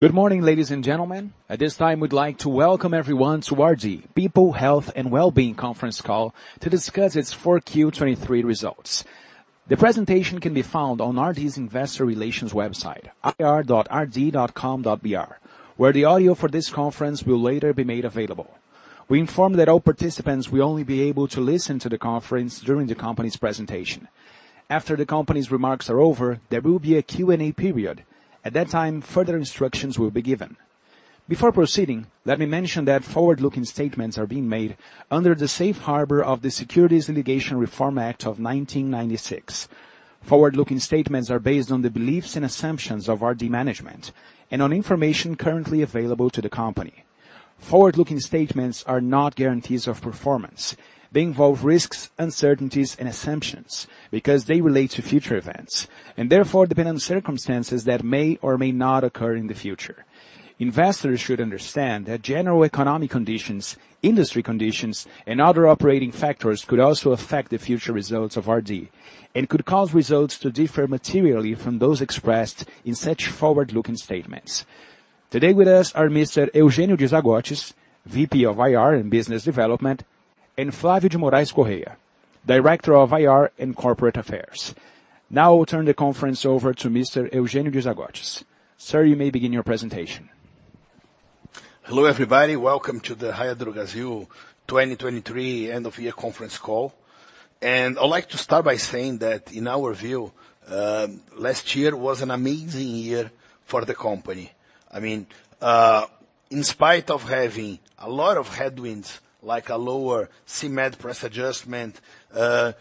Good morning, ladies and gentlemen. At this time, we'd like to welcome everyone to our RD Saúde Health and Wellbeing Conference call to discuss its 4Q23 results. The presentation can be found on RD's investor relations website, ir.rd.com.br, where the audio for this conference will later be made available .We inform that all participants will only be able to listen to the conference during the company's presentation. After the company's remarks are over, there will be a Q&A period. At that time, further instructions will be given. Before proceeding, let me mention that forward-looking statements are being made under the safe harbor of the Securities Litigation Reform Act of 1996. Forward-looking statements are based on the beliefs and assumptions of RD management and on information currently available to the company. Forward-looking statements are not guarantees of performance. They involve risks, uncertainties, and assumptions because they relate to future events and therefore depend on circumstances that may or may not occur in the future. Investors should understand that general economic conditions, industry conditions, and other operating factors could also affect the future results of RD and could cause results to differ materially from those expressed in such forward-looking statements. Today with us are Mr. Eugênio De Zagottis, VP of IR and Business Development, and Flávio de Moraes Correia, Director of IR and Corporate Affairs. Now I'll turn the conference over to Mr. Eugênio De Zagottis. Sir, you may begin your presentation. Hello everybody. Welcome to the Raia Drogasil 2023 end-of-year conference call. I'd like to start by saying that, in our view, last year was an amazing year for the company. I mean, in spite of having a lot of headwinds like a lower CMED price adjustment,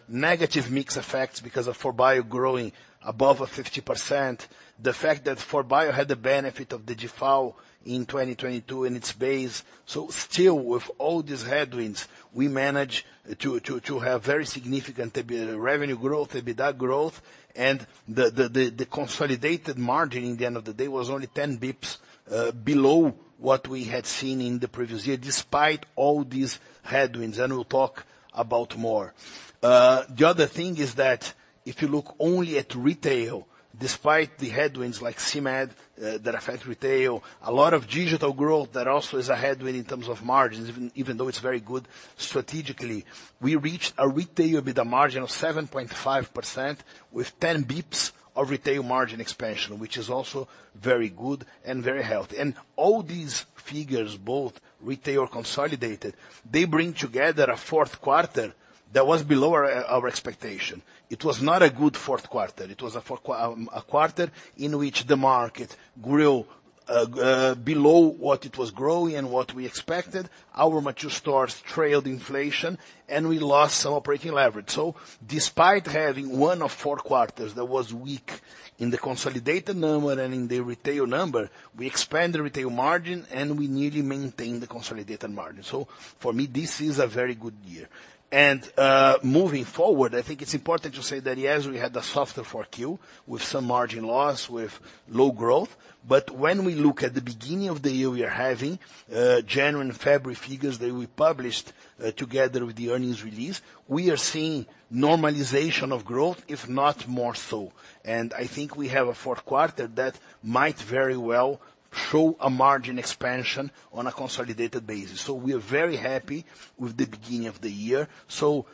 negative mix effects because of 4Bio growing above 50%, the fact that 4Bio had the benefit of the DIFAL in 2022 and its base, so still, with all these headwinds. We managed to have very significant EBITDA revenue growth, EBITDA growth, and the consolidated margin at the end of the day was only 10 basis points below what we had seen in the previous year despite all these headwinds, and we'll talk about more. The other thing is that if you look only at retail, despite the headwinds like CMED, that affect retail, a lot of digital growth that also is a headwind in terms of margins, even, even though it's very good strategically, we reached a retail EBITDA margin of 7.5% with 10 basis points of retail margin expansion, which is also very good and very healthy. All these figures, both retail consolidated, they bring together a fourth quarter that was below our, our expectation. It was not a good fourth quarter. It was a fourth quarter in which the market grew, below what it was growing and what we expected. Our mature stores trailed inflation, and we lost some operating leverage. Despite having one of four quarters that was weak in the consolidated number and in the retail number, we expanded retail margin, and we nearly maintained the consolidated margin. For me, this is a very good year. Moving forward, I think it's important to say that, yes, we had a softer 4Q with some margin loss, with low growth, but when we look at the beginning of the year we are having, January and February figures that we published, together with the earnings release, we are seeing normalization of growth, if not more so. I think we have a fourth quarter that might very well show a margin expansion on a consolidated basis. We are very happy with the beginning of the year.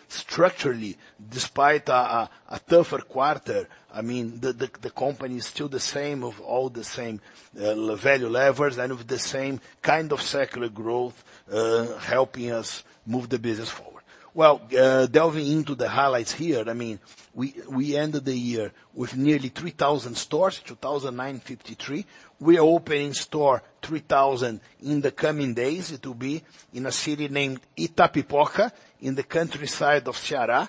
Structurally, despite a tougher quarter, I mean, the company is still the same of all the same, value levers and with the same kind of secular growth, helping us move the business forward. Well, delving into the highlights here, I mean, we ended the year with nearly 3,000 stores, 2,953. We are opening store 3,000 in the coming days. It will be in a city named Itapipoca, in the countryside of Ceará.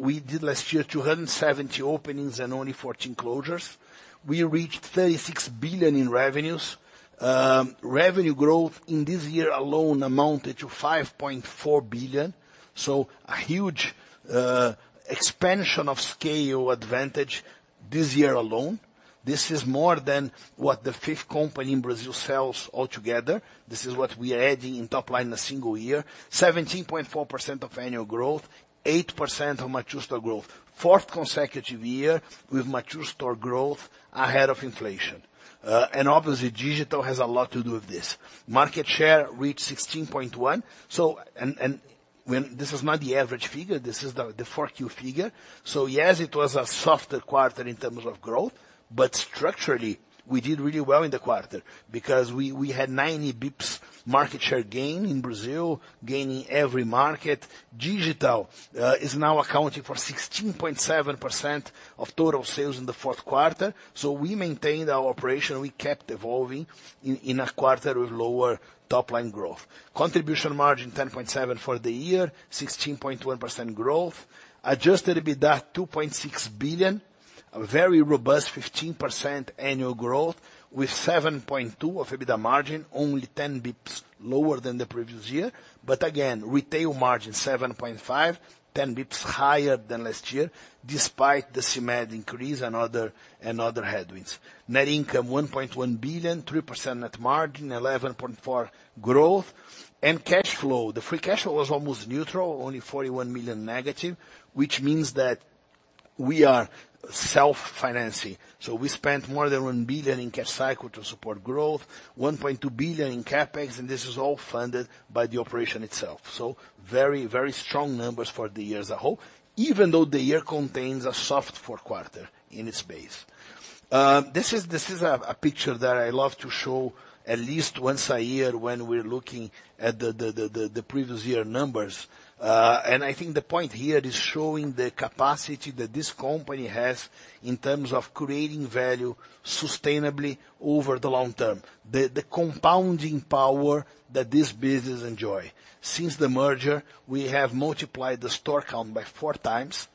We did last year 270 openings and only 14 closures. We reached 36 billion in revenues. Revenue growth in this year alone amounted to 5.4 billion, so a huge expansion of scale advantage this year alone. This is more than what the fifth company in Brazil sells altogether. This is what we are adding in top line in a single year: 17.4% of annual growth, 8% of mature store growth. Fourth consecutive year with mature store growth ahead of inflation. Obviously, digital has a lot to do with this. Market share reached 16.1%, so when this is not the average figure, this is the 4Q figure. Yes, it was a softer quarter in terms of growth, but structurally, we did really well in the quarter because we had 90 basis points market share gain in Brazil, gaining every market. Digital is now accounting for 16.7% of total sales in the fourth quarter, so we maintained our operation. We kept evolving in a quarter with lower top line growth. Contribution margin 10.7% for the year, 16.1% growth. Adjusted EBITDA 2.6 billion, a very robust 15% annual growth with 7.2% of EBITDA margin, only 10 basis points lower than the previous year, but again, retail margin 7.5%, 10 basis points higher than last year despite the CMED increase and other headwinds. Net income 1.1 billion, 3% net margin, 11.4% growth. Cash flow, the free cash flow was almost neutral, only -41 million, which means that we are self-financing. We spent more than 1 billion in cash cycle to support growth, 1.2 billion in CapEx, and this is all funded by the operation itself. Very, very strong numbers for the year as a whole, even though the year contains a soft fourth quarter in its base. This is a picture that I love to show at least once a year when we're looking at the previous year numbers. I think the point here is showing the capacity that this company has in terms of creating value sustainably over the long term, the compounding power that this business enjoys. Since the merger, we have multiplied the store count by four times.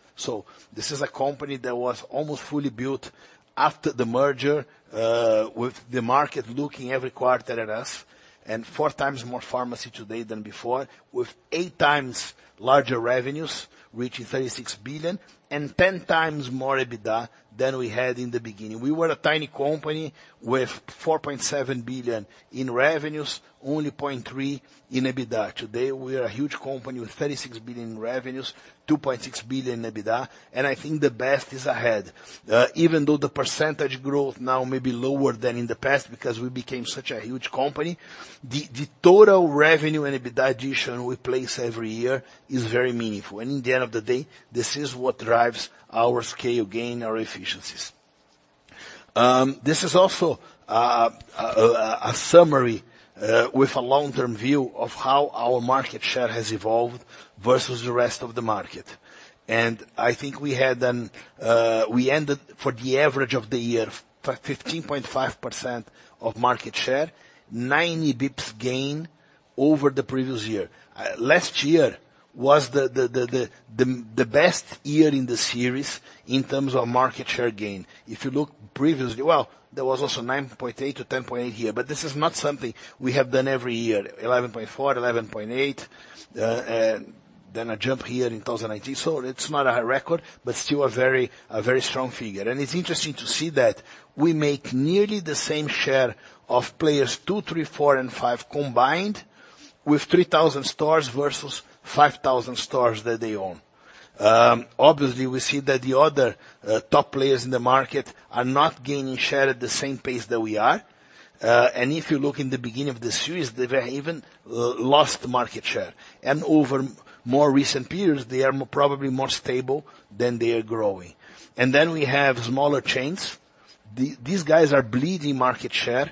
This is a company that was almost fully built after the merger, with the market looking every quarter at us and four times more pharmacy today than before, with eight times larger revenues, reaching 36 billion, and 10 times more EBITDA than we had in the beginning. We were a tiny company with 4.7 billion in revenues, only 0.3 billion in EBITDA. Today, we are a huge company with 36 billion in revenues, 2.6 billion in EBITDA, and I think the best is ahead. Even though the percentage growth now may be lower than in the past because we became such a huge company, the total revenue and EBITDA addition we place every year is very meaningful. In the end of the day, this is what drives our scale gain, our efficiencies. This is also a summary with a long-term view of how our market share has evolved versus the rest of the market. I think we ended the year with an average of 15.5% market share, 90 basis points gain over the previous year. Last year was the best year in the series in terms of market share gain. If you look previously, well, there was also 9.8%-10.8% here, but this is not something we have done every year, 11.4%, 11.8%, and then a jump here in 2019. It's not a high record, but still a very strong figure. It's interesting to see that we make nearly the same share of players two, three, four, and five combined with 3,000 stores versus 5,000 stores that they own. Obviously, we see that the other top players in the market are not gaining share at the same pace that we are. If you look in the beginning of the series, they've even lost market share. Over more recent periods, they are probably more stable than they are growing. We have smaller chains. These guys are bleeding market share.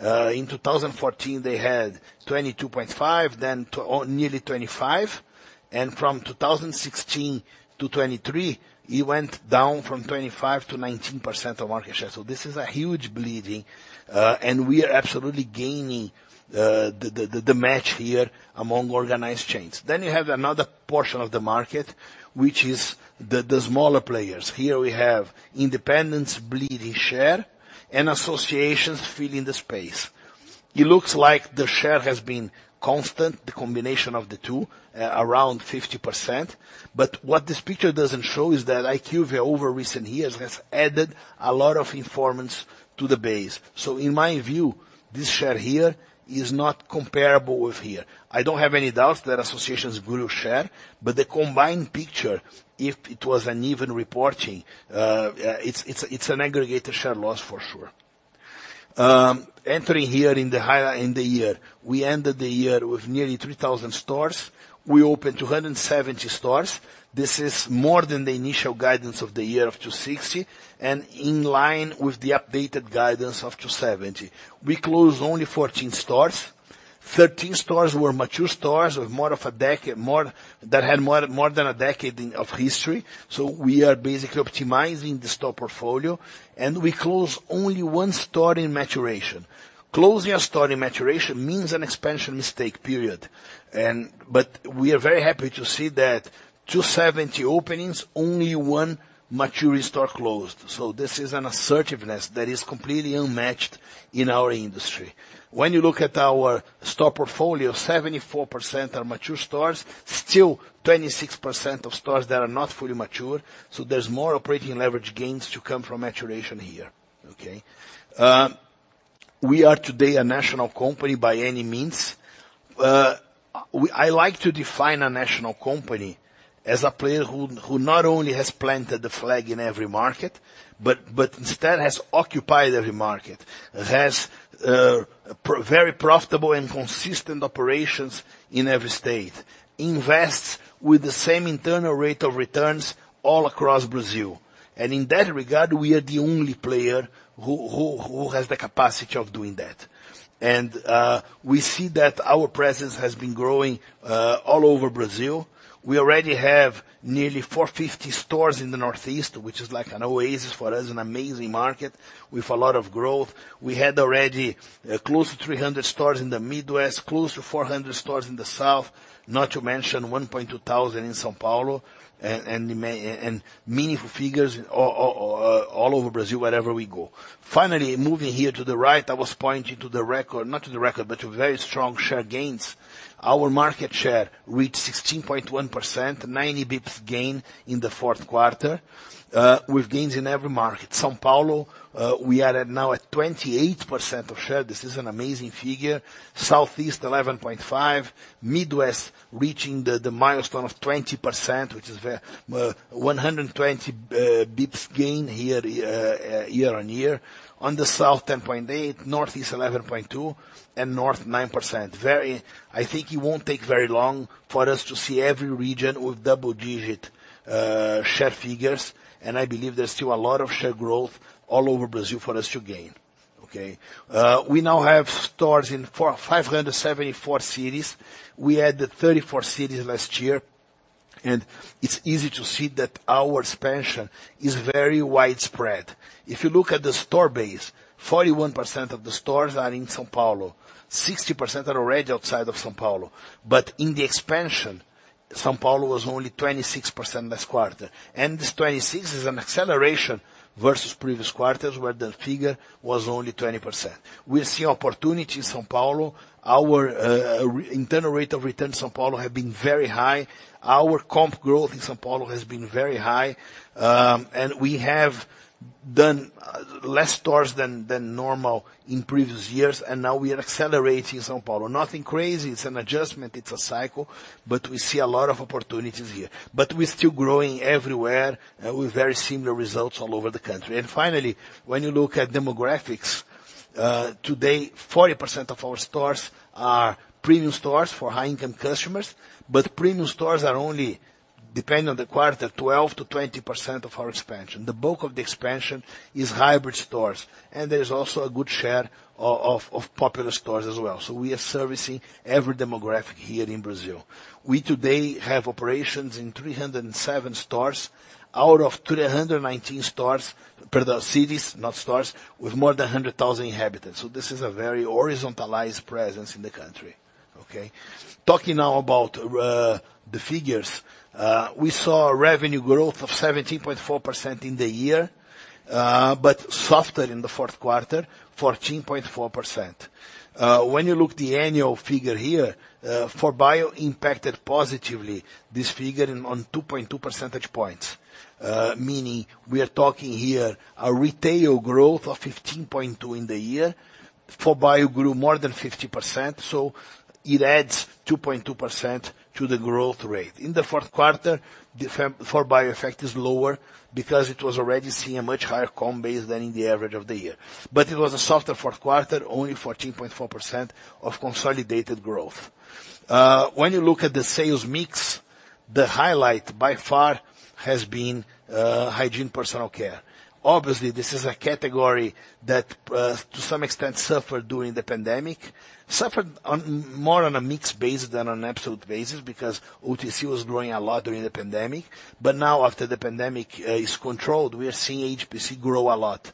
In 2014, they had 22.5%, then nearly 25%, and from 2016 to 2023, it went down from 25% to 19% of market share. This is a huge bleeding, and we are absolutely gaining the match here among organized chains. You have another portion of the market, which is the smaller players. Here, we have independents bleeding share and associations filling the space. It looks like the share has been constant, the combination of the two, around 50%, but what this picture doesn't show is that IQVIA over recent years has added a lot of informants to the base. In my view, this share here is not comparable with here. I don't have any doubts that associations grew share, but the combined picture, if it was uneven reporting, it's an aggregated share loss for sure. Entering here in the highlight in the year, we ended the year with nearly 3,000 stores. We opened 270 stores. This is more than the initial guidance of the year of 260 and in line with the updated guidance of 270. We closed only 14 stores. 13 stores were mature stores with more than a decade of history. We are basically optimizing the store portfolio, and we closed only one store in maturation. Closing a store in maturation means an expansion mistake, period. We are very happy to see that 270 openings, only one mature store closed. This is an assertiveness that is completely unmatched in our industry. When you look at our store portfolio, 74% are mature stores, still 26% of stores that are not fully mature. There's more operating leverage gains to come from maturation here, okay? We are today a national company by any means. We I like to define a national company as a player who not only has planted the flag in every market, but instead has occupied every market, has very profitable and consistent operations in every state, invests with the same internal rate of returns all across Brazil. In that regard, we are the only player who has the capacity of doing that. We see that our presence has been growing all over Brazil. We already have nearly 450 stores in the Northeast, which is like an oasis for us, an amazing market with a lot of growth. We had already close to 300 stores in the Midwest, close to 400 stores in the South, not to mention 1,200 in São Paulo, and meaningful figures all over Brazil wherever we go. Finally, moving here to the right, I was pointing but to very strong share gains. Our market share reached 16.1%, 90 basis points gain in the fourth quarter, with gains in every market. São Paulo, we are now at 28% of share. This is an amazing figure. Southeast 11.5%, Midwest reaching the milestone of 20%, which is very 120 basis points gain here, year-on-year. On the South 10.8%, Northeast 11.2%, and North 9%. Very, I think it won't take very long for us to see every region with double-digit share figures, and I believe there's still a lot of share growth all over Brazil for us to gain, okay? We now have stores in 4,574 cities. We added 34 cities last year, and it's easy to see that our expansion is very widespread. If you look at the store base, 41% of the stores are in São Paulo, 60% are already outside of São Paulo, but in the expansion, São Paulo was only 26% last quarter. This 26% is an acceleration versus previous quarters where the figure was only 20%. We're seeing opportunity in São Paulo. Our internal rate of return in São Paulo has been very high. Our comp growth in São Paulo has been very high, and we have done less stores than normal in previous years, and now we are accelerating in São Paulo. Nothing crazy. It's an adjustment. It's a cycle, but we see a lot of opportunities here. We're still growing everywhere with very similar results all over the country. Finally, when you look at demographics, today, 40% of our stores are premium stores for high-income customers, but premium stores are only, depending on the quarter, 12%-20% of our expansion. The bulk of the expansion is hybrid stores, and there's also a good share of popular stores as well. We are servicing every demographic here in Brazil. We today have operations in 307 stores out of 319 stores perdão, cities, not stores, with more than 100,000 inhabitants. This is a very horizontalized presence in the country, okay? Talking now about the figures, we saw revenue growth of 17.4% in the year, but softer in the fourth quarter, 14.4%. When you look at the annual figure here, for 4Bio, impacted positively this figure by 2.2 percentage points, meaning we are talking here a retail growth of 15.2% in the year. For 4Bio, grew more than 50%, so it adds 2.2% to the growth rate. In the fourth quarter, the 4Bio effect is lower because it was already seeing a much higher comp base than in the average of the year, but it was a softer fourth quarter, only 14.4% of consolidated growth. When you look at the sales mix, the highlight by far has been hygiene personal care. Obviously, this is a category that, to some extent, suffered during the pandemic, suffered more on a mix basis than on an absolute basis because OTC was growing a lot during the pandemic, but now after the pandemic is controlled, we are seeing HPC grow a lot.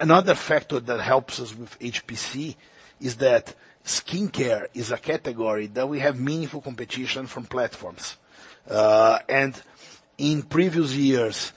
Another factor that helps us with HPC is that skincare is a category that we have meaningful competition from platforms. In previous years,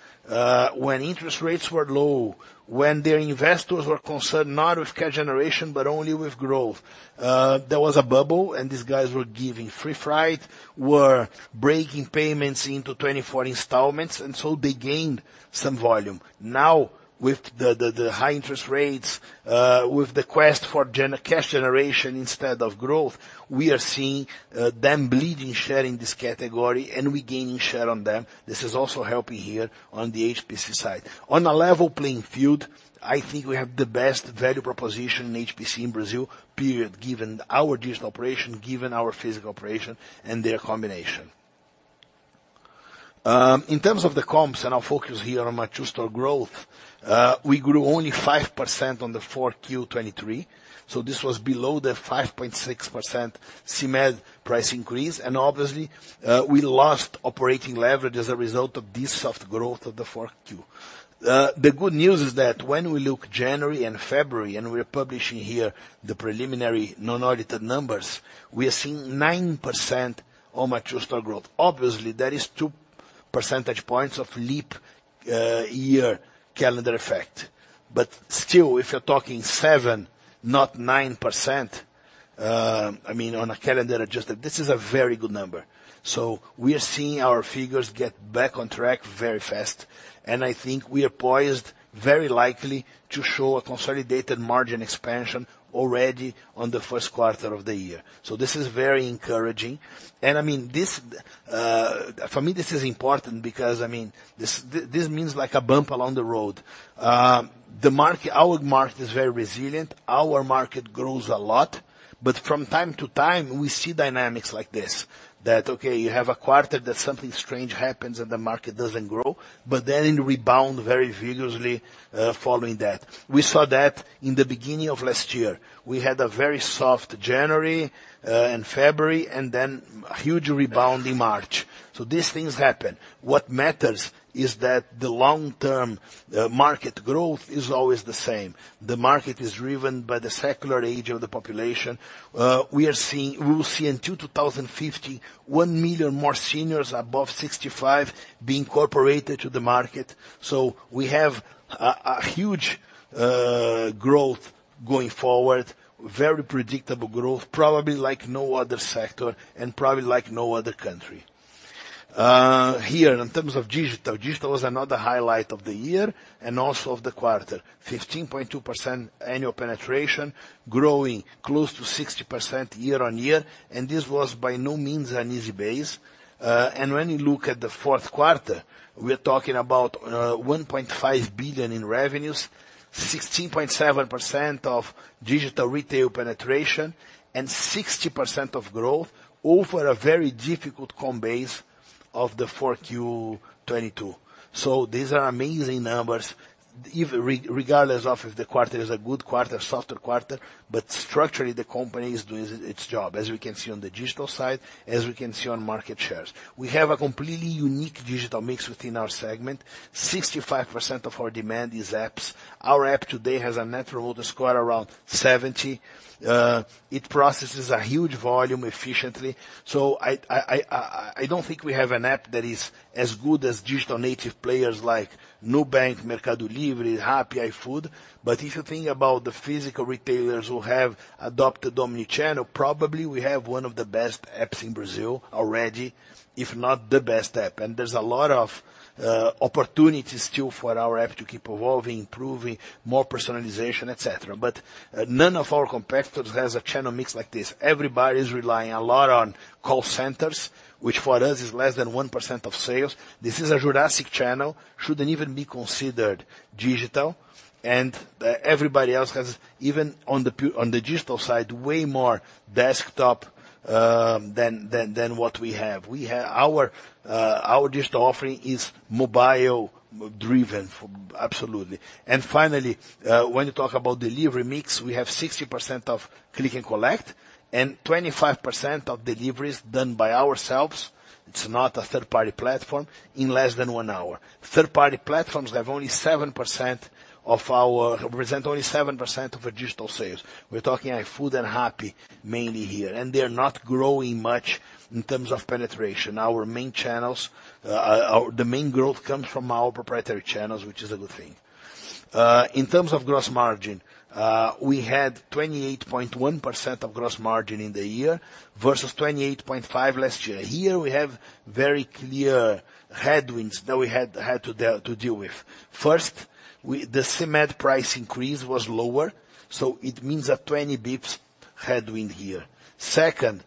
when interest rates were low, when their investors were concerned not with cash generation, but only with growth, there was a bubble, and these guys were giving free flight, were breaking payments into 24 installments, and so they gained some volume. Now, with the high interest rates, with the quest for gen cash generation instead of growth, we are seeing them bleeding share in this category and we gaining share on them. This is also helping here on the HPC side. On a level playing field, I think we have the best value proposition in HPC in Brazil, period, given our digital operation, given our physical operation, and their combination. In terms of the comps, and I'll focus here on same-store growth, we grew only 5% on the 4Q23. This was below the 5.6% CMED price increase, and obviously, we lost operating leverage as a result of this soft growth of the 4Q. The good news is that when we look January and February, and we are publishing here the preliminary non-audited numbers, we are seeing 9% on same-store growth. Obviously, that is two percentage points of leap year calendar effect, but still, if you're talking 7%, not 9%, I mean, on a calendar adjustment, this is a very good number. We are seeing our figures get back on track very fast, and I think we are poised very likely to show a consolidated margin expansion already on the first quarter of the year. This is very encouraging, and I mean, this, for me, this is important because, I mean, this this means like a bump along the road. The market, our market, is very resilient. Our market grows a lot, but from time to time, we see dynamics like this, that, okay, you have a quarter that something strange happens and the market doesn't grow, but then it rebounds very vigorously, following that. We saw that in the beginning of last year. We had a very soft January, and February, and then a huge rebound in March. These things happen. What matters is that the long-term market growth is always the same. The market is driven by the secular age of the population. We are seeing we will see in 2050 1 million more seniors above 65 being incorporated to the market. We have a, a huge growth going forward, very predictable growth, probably like no other sector and probably like no other country. Here, in terms of digital, digital was another highlight of the year and also of the quarter, 15.2% annual penetration, growing close to 60% year-over-year, and this was by no means an easy base. When you look at the fourth quarter, we are talking about 1.5 billion in revenues, 16.7% of digital retail penetration, and 60% of growth over a very difficult comp base of the 4Q22. These are amazing numbers, even regardless of if the quarter is a good quarter, softer quarter, but structurally, the company is doing its job, as we can see on the digital side, as we can see on market shares. We have a completely unique digital mix within our segment. 65% of our demand is apps. Our app today has a net reward score around 70. It processes a huge volume efficiently. I don't think we have an app that is as good as digital native players like Nubank, Mercado Livre, Rappi, iFood, but if you think about the physical retailers who have adopted omnichannel, probably we have one of the best apps in Brazil already, if not the best app, and there's a lot of opportunities still for our app to keep evolving, improving, more personalization, etc., but none of our competitors has a channel mix like this. Everybody is relying a lot on call centers, which for us is less than 1% of sales. This is a Jurassic channel, shouldn't even be considered digital, and everybody else has even on the digital side way more desktop than what we have. We have our digital offering is mobile-driven for absolutely. Finally, when you talk about delivery mix, we have 60% of click and collect and 25% of deliveries done by ourselves. It's not a third-party platform in less than one hour. Third-party platforms have only 7%, represent only 7% of our digital sales. We're talking iFood and Rappi mainly here, and they're not growing much in terms of penetration. Our main channels, the main growth comes from our proprietary channels, which is a good thing. In terms of gross margin, we had 28.1% gross margin in the year versus 28.5% last year. Here, we have very clear headwinds that we had to deal with. First, the CMED price increase was lower, so it means a 20 basis points headwind here. Second,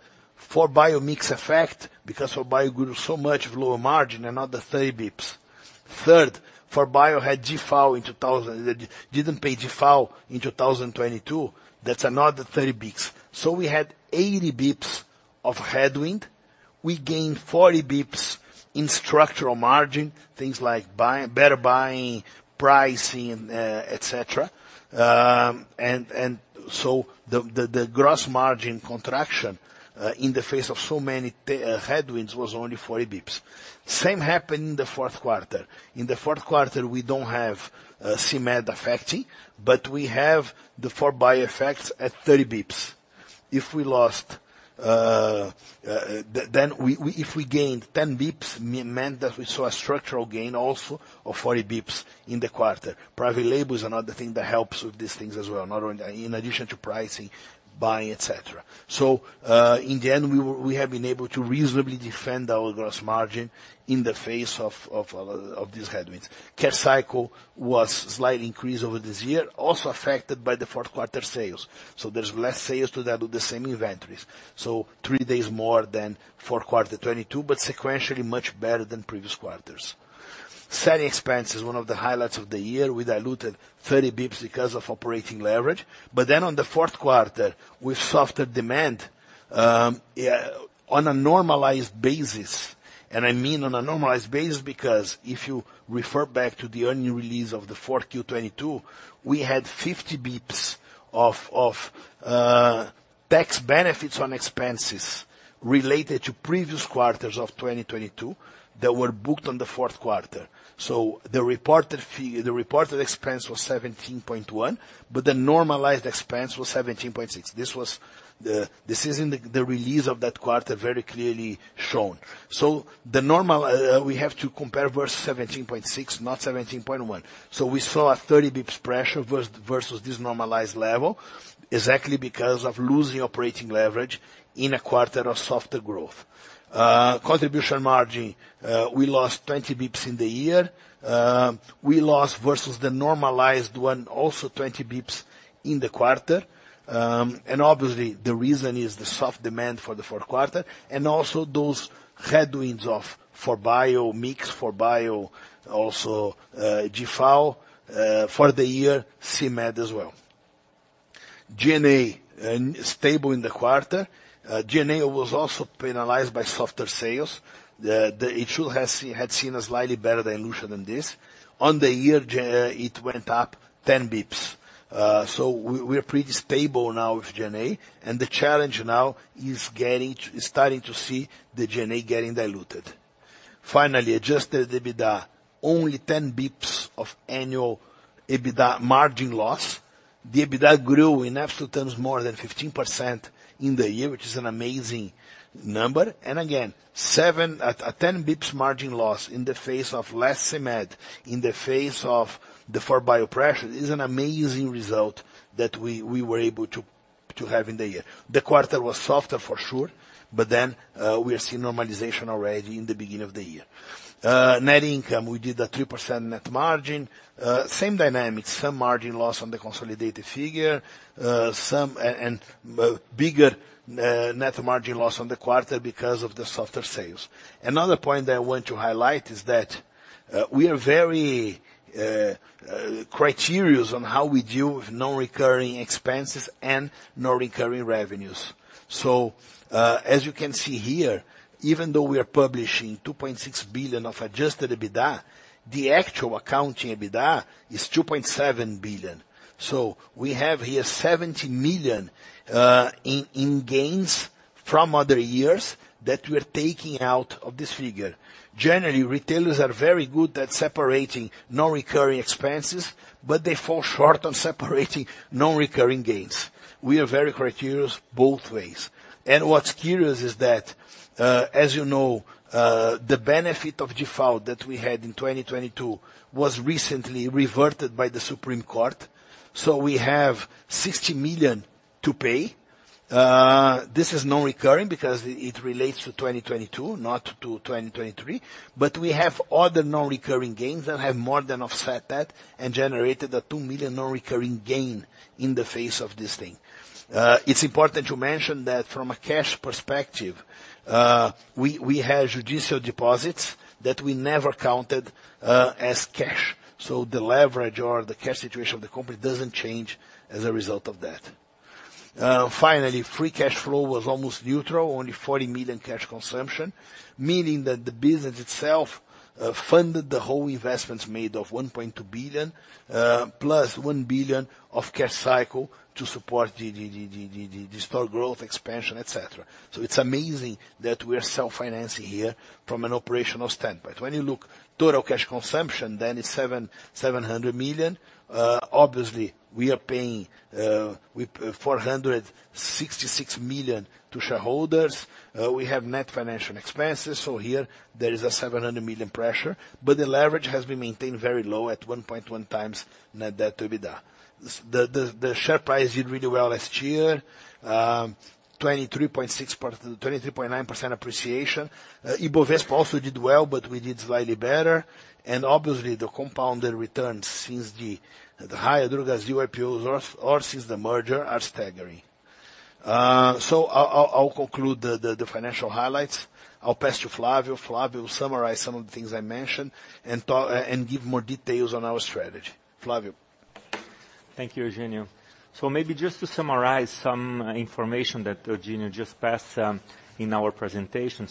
4Bio mix effect, because 4Bio grew so much with lower margin, another 30 basis points. Third, 4Bio had DIFAL in 2000, didn't pay DIFAL in 2022. That's another 30 basis points. We had 80 basis points of headwind. We gained 40 basis points in structural margin, things like buying better buying, pricing, etc., and so the gross margin contraction, in the face of so many headwinds was only 40 basis points. Same happened in the fourth quarter. In the fourth quarter, we don't have CMED affecting, but we have the 4Bio effects at 30 basis points. If we lost, then if we gained 10 basis points meant that we saw a structural gain also of 40 basis points in the quarter. Private label is another thing that helps with these things as well, not only in addition to pricing, buying, etc. In the end, we have been able to reasonably defend our gross margin in the face of these headwinds. Cash cycle was slightly increased over this year, also affected by the fourth quarter sales. So there's less sales to that with the same inventories, so 3 days more than fourth quarter 2022, but sequentially much better than previous quarters. Selling expenses is one of the highlights of the year. We diluted 30 basis points because of operating leverage, but then on the fourth quarter, with softer demand, yeah, on a normalized basis, and I mean on a normalized basis because if you refer back to the earnings release of the 4Q22, we had 50 basis points of tax benefits on expenses related to previous quarters of 2022 that were booked on the fourth quarter. The reported expense was 17.1%, but the normalized expense was 17.6%. This is in the release of that quarter very clearly shown. Normally we have to compare versus 17.6%, not 17.1%. We saw a 30 basis points pressure versus this normalized level exactly because of losing operating leverage in a quarter of softer growth. Contribution margin, we lost 20 basis points in the year. We lost versus the normalized one also 20 basis points in the quarter, and obviously, the reason is the soft demand for the fourth quarter and also those headwinds of 4Bio mix, 4Bio, also, DIFAL, for the year, CMED as well. G&A, stable in the quarter. G&A was also penalized by softer sales. It should have seen a slightly better dilution than this. On the year, it went up 10 basis points. We are pretty stable now with G&A, and the challenge now is getting to starting to see the G&A getting diluted. Finally, adjusted EBITDA, only 10 basis points of annual EBITDA margin loss. The EBITDA grew in absolute terms more than 15% in the year, which is an amazing number, and again, 7 to 10 basis points margin loss in the face of less CMED, in the face of the 4Bio pressure is an amazing result that we were able to have in the year. The quarter was softer for sure, but then, we are seeing normalization already in the beginning of the year. Net income, we did a 3% net margin. Same dynamics, some margin loss on the consolidated figure, some bigger, net margin loss on the quarter because of the softer sales. Another point that I want to highlight is that, we are very meticulous on how we deal with non-recurring expenses and non-recurring revenues. As you can see here, even though we are publishing 2.6 billion of adjusted EBITDA, the actual accounting EBITDA is 2.7 billion. We have here 70 million in gains from other years that we are taking out of this figure. Generally, retailers are very good at separating non-recurring expenses, but they fall short on separating non-recurring gains. We are very meticulous both ways. And what's curious is that, as you know, the benefit of DIFAL that we had in 2022 was recently reverted by the Supreme Court, so we have 60 million to pay. This is non-recurring because it relates to 2022, not to 2023, but we have other non-recurring gains that have more than offset that and generated a 2 million non-recurring gain in the face of this thing. It's important to mention that from a cash perspective, we have judicial deposits that we never counted as cash, so the leverage or the cash situation of the company doesn't change as a result of that. Finally, free cash flow was almost neutral, only 40 million cash consumption, meaning that the business itself funded the whole investments made of 1.2 billion, plus 1 billion of cash cycle to support the store growth expansion, etc. It's amazing that we are self-financing here from an operational standpoint. When you look total cash consumption, then it's 700 million. Obviously, we are paying 466 million to shareholders. We have net financial expenses, so here there is a 700 million pressure, but the leverage has been maintained very low at 1.1 times net debt to EBITDA. The share price did really well last year, 23.6%-23.9% appreciation. Ibovespa also did well, but we did slightly better, and obviously, the compounded returns since the Raia Drogasil IPO or since the merger are staggering. I'll conclude the financial highlights. I'll pass to Flávio. Flávio. Thank you, Eugênio. Maybe just to summarize some information that Eugênio just passed, in our presentation.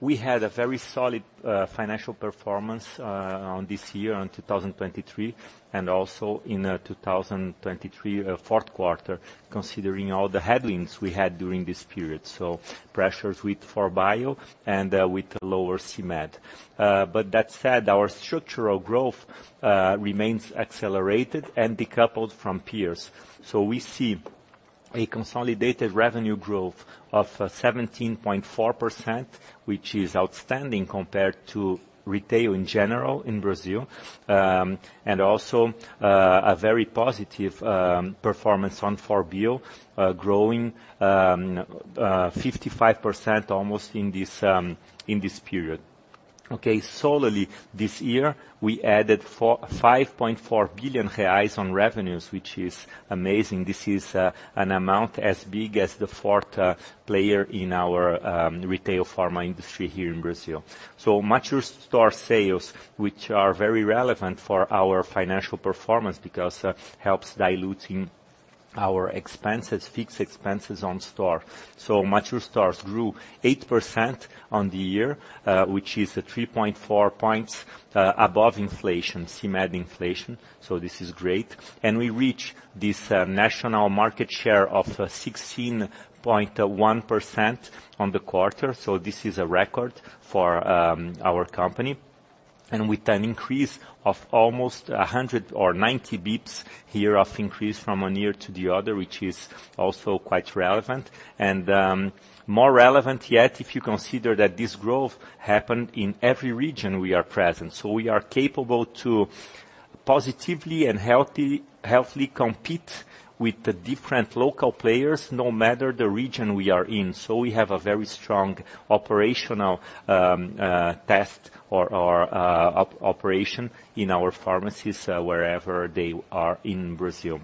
We had a very solid financial performance in this year in 2023 and also in the 2023 fourth quarter, considering all the headwinds we had during this period, so pressures with 4Bio and with lower CMED. That said, our structural growth remains accelerated and decoupled from peers. We see a consolidated revenue growth of 17.4%, which is outstanding compared to retail in general in Brazil, and also a very positive performance on 4Bio, growing almost 55% in this period. Okay, solely this year, we added 45.4 billion reais on revenues, which is amazing. This is an amount as big as the fourth player in our retail pharma industry here in Brazil. Mature store sales, which are very relevant for our financial performance because helps diluting our expenses, fixed expenses on store. Mature stores grew 8% on the year, which is 3.4 points above inflation, CMED inflation, so this is great, and we reached this national market share of 16.1% on the quarter, so this is a record for our company, and with an increase of almost 100 or 90 basis points here of increase from one year to the other, which is also quite relevant, and more relevant yet if you consider that this growth happened in every region we are present, so we are capable to positively and healthily compete with the different local players no matter the region we are in, so we have a very strong operational operation in our pharmacies, wherever they are in Brazil.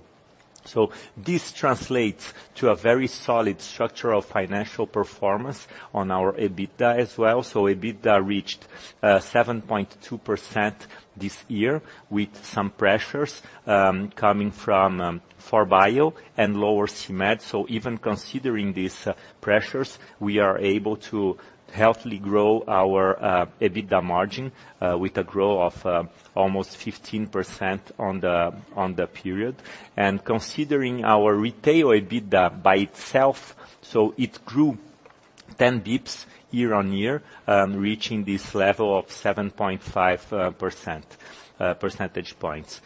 This translates to a very solid structural financial performance on our EBITDA as well, so EBITDA reached 7.2% this year with some pressures coming from 4Bio and lower CMED, so even considering these pressures, we are able to healthily grow our EBITDA margin with a growth of almost 15% on the period, and considering our retail EBITDA by itself, so it grew 10 basis points year-over-year, reaching this level of 7.5 percentage points.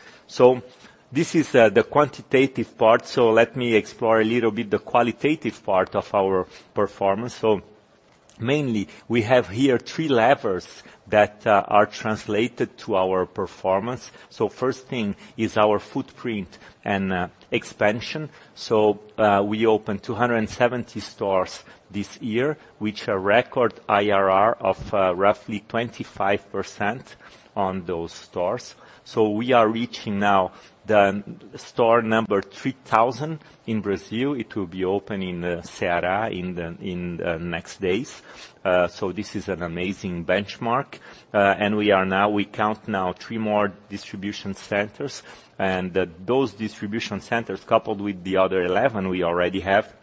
This is the quantitative part, so let me explore a little bit the qualitative part of our performance. Mainly, we have here three levers that are translated to our performance. First thing is our footprint and expansion. We opened 270 stores this year, which are record IRR of roughly 25% on those stores, so we are reaching now the store number 3,000 in Brazil. It will be open in the Ceará in the next days, so this is an amazing benchmark, and we now count three more distribution centers, and those distribution centers coupled with the other 11 we already have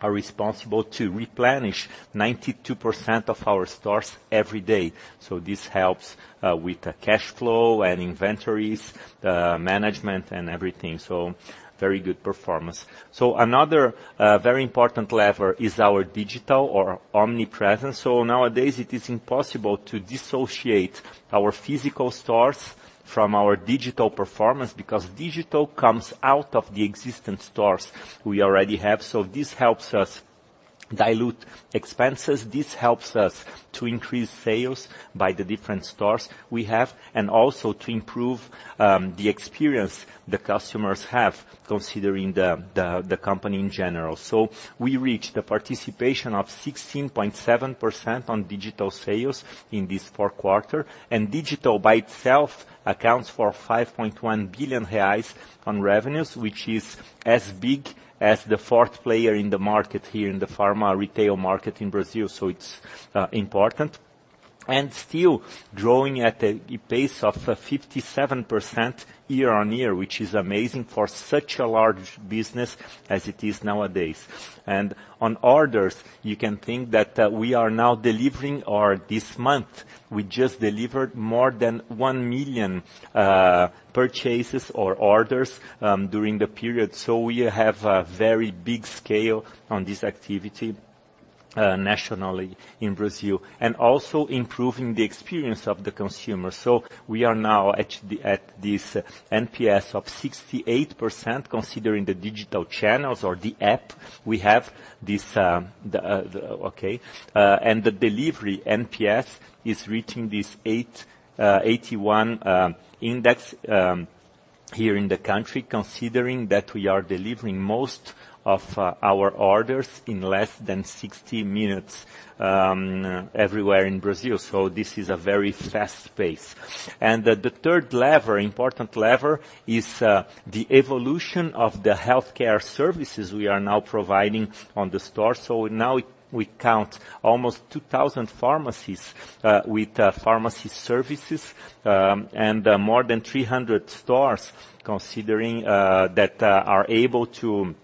are responsible to replenish 92% of our stores every day, so this helps with the cash flow and inventories, the management and everything, so very good performance. Another very important lever is our digital or omnipresence. Nowadays, it is impossible to dissociate our physical stores from our digital performance because digital comes out of the existing stores we already have, so this helps us dilute expenses, this helps us to increase sales by the different stores we have, and also to improve the experience the customers have considering the company in general. We reached a participation of 16.7% on digital sales in this fourth quarter, and digital by itself accounts for 5.1 billion reais on revenues, which is as big as the fourth player in the market here in the pharma retail market in Brazil, so it's important, and still growing at a pace of 57% year-on-year, which is amazing for such a large business as it is nowadays. On orders, you can think that we are now delivering or this month we just delivered more than 1 million purchases or orders during the period, so we have a very big scale on this activity, nationally in Brazil, and also improving the experience of the consumer. We are now at this NPS of 68% considering the digital channels or the app we have, and the delivery NPS is reaching this 88.1 index here in the country considering that we are delivering most of our orders in less than 60 minutes everywhere in Brazil, so this is a very fast pace. The third lever, important lever, is the evolution of the healthcare services we are now providing in the stores, so now we count almost 2,000 pharmacies with pharmacy services, and more than 300 stores that are able to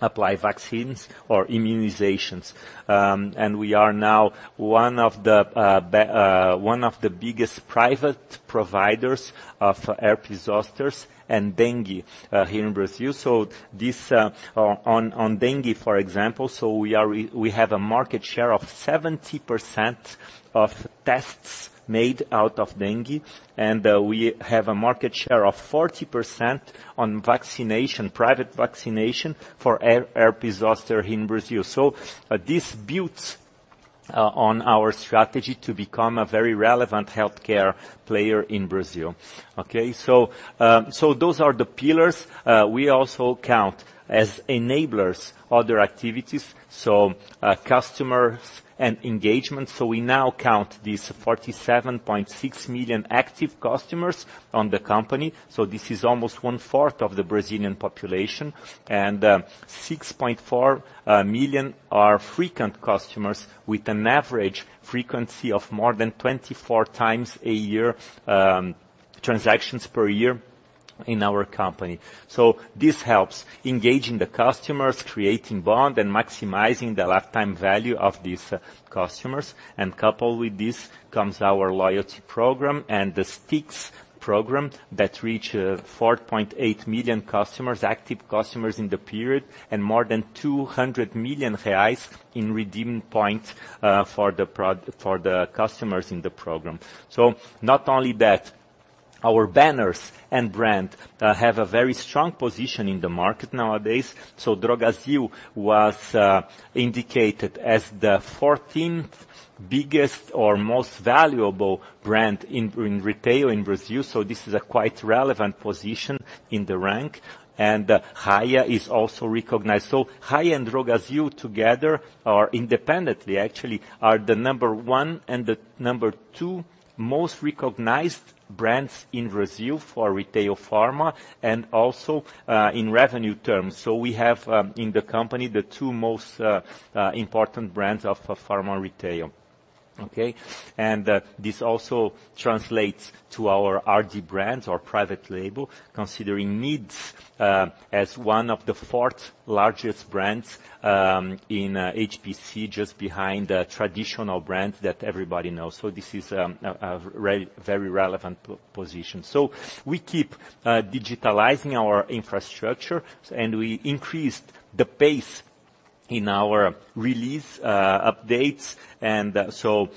apply vaccines or immunizations, and we are now one of the biggest private providers of herpes zoster and dengue here in Brazil, so this, on dengue, for example, so we have a market share of 70% of tests for dengue, and we have a market share of 40% on private vaccination for herpes zoster here in Brazil, so this bets on our strategy to become a very relevant healthcare player in Brazil. Okay, so those are the pillars. We also count as enablers other activities, so customers and engagement. We now count these 47.6 million active customers on the company. This is almost one-fourth of the Brazilian population, and 6.4 million are frequent customers with an average frequency of more than 24 times a year, transactions per year in our company. This helps engaging the customers, creating bond, and maximizing the lifetime value of these customers, and coupled with this comes our loyalty program and the Stix program that reach 4.8 million active customers in the period, and more than 200 million reais in redeemed points for the product for the customers in the program. Not only that, our banners and brand have a very strong position in the market nowadays, so Drogasil was indicated as the 14th biggest or most valuable brand in retail in Brazil, so this is a quite relevant position in the rank, and Raia is also recognized, so Raia and Drogasil together or independently, actually, are the number 1 and the number 2 most recognized brands in Brazil for retail pharma and also in revenue terms, so we have in the company the two most important brands of pharma retail. Okay, and this also translates to our RD brand or private label considering Needs, as one of the fourth largest brands in HPC, just behind the traditional brands that everybody knows, so this is a very relevant position. We keep digitalizing our infrastructure and we increased the pace in our release updates, and so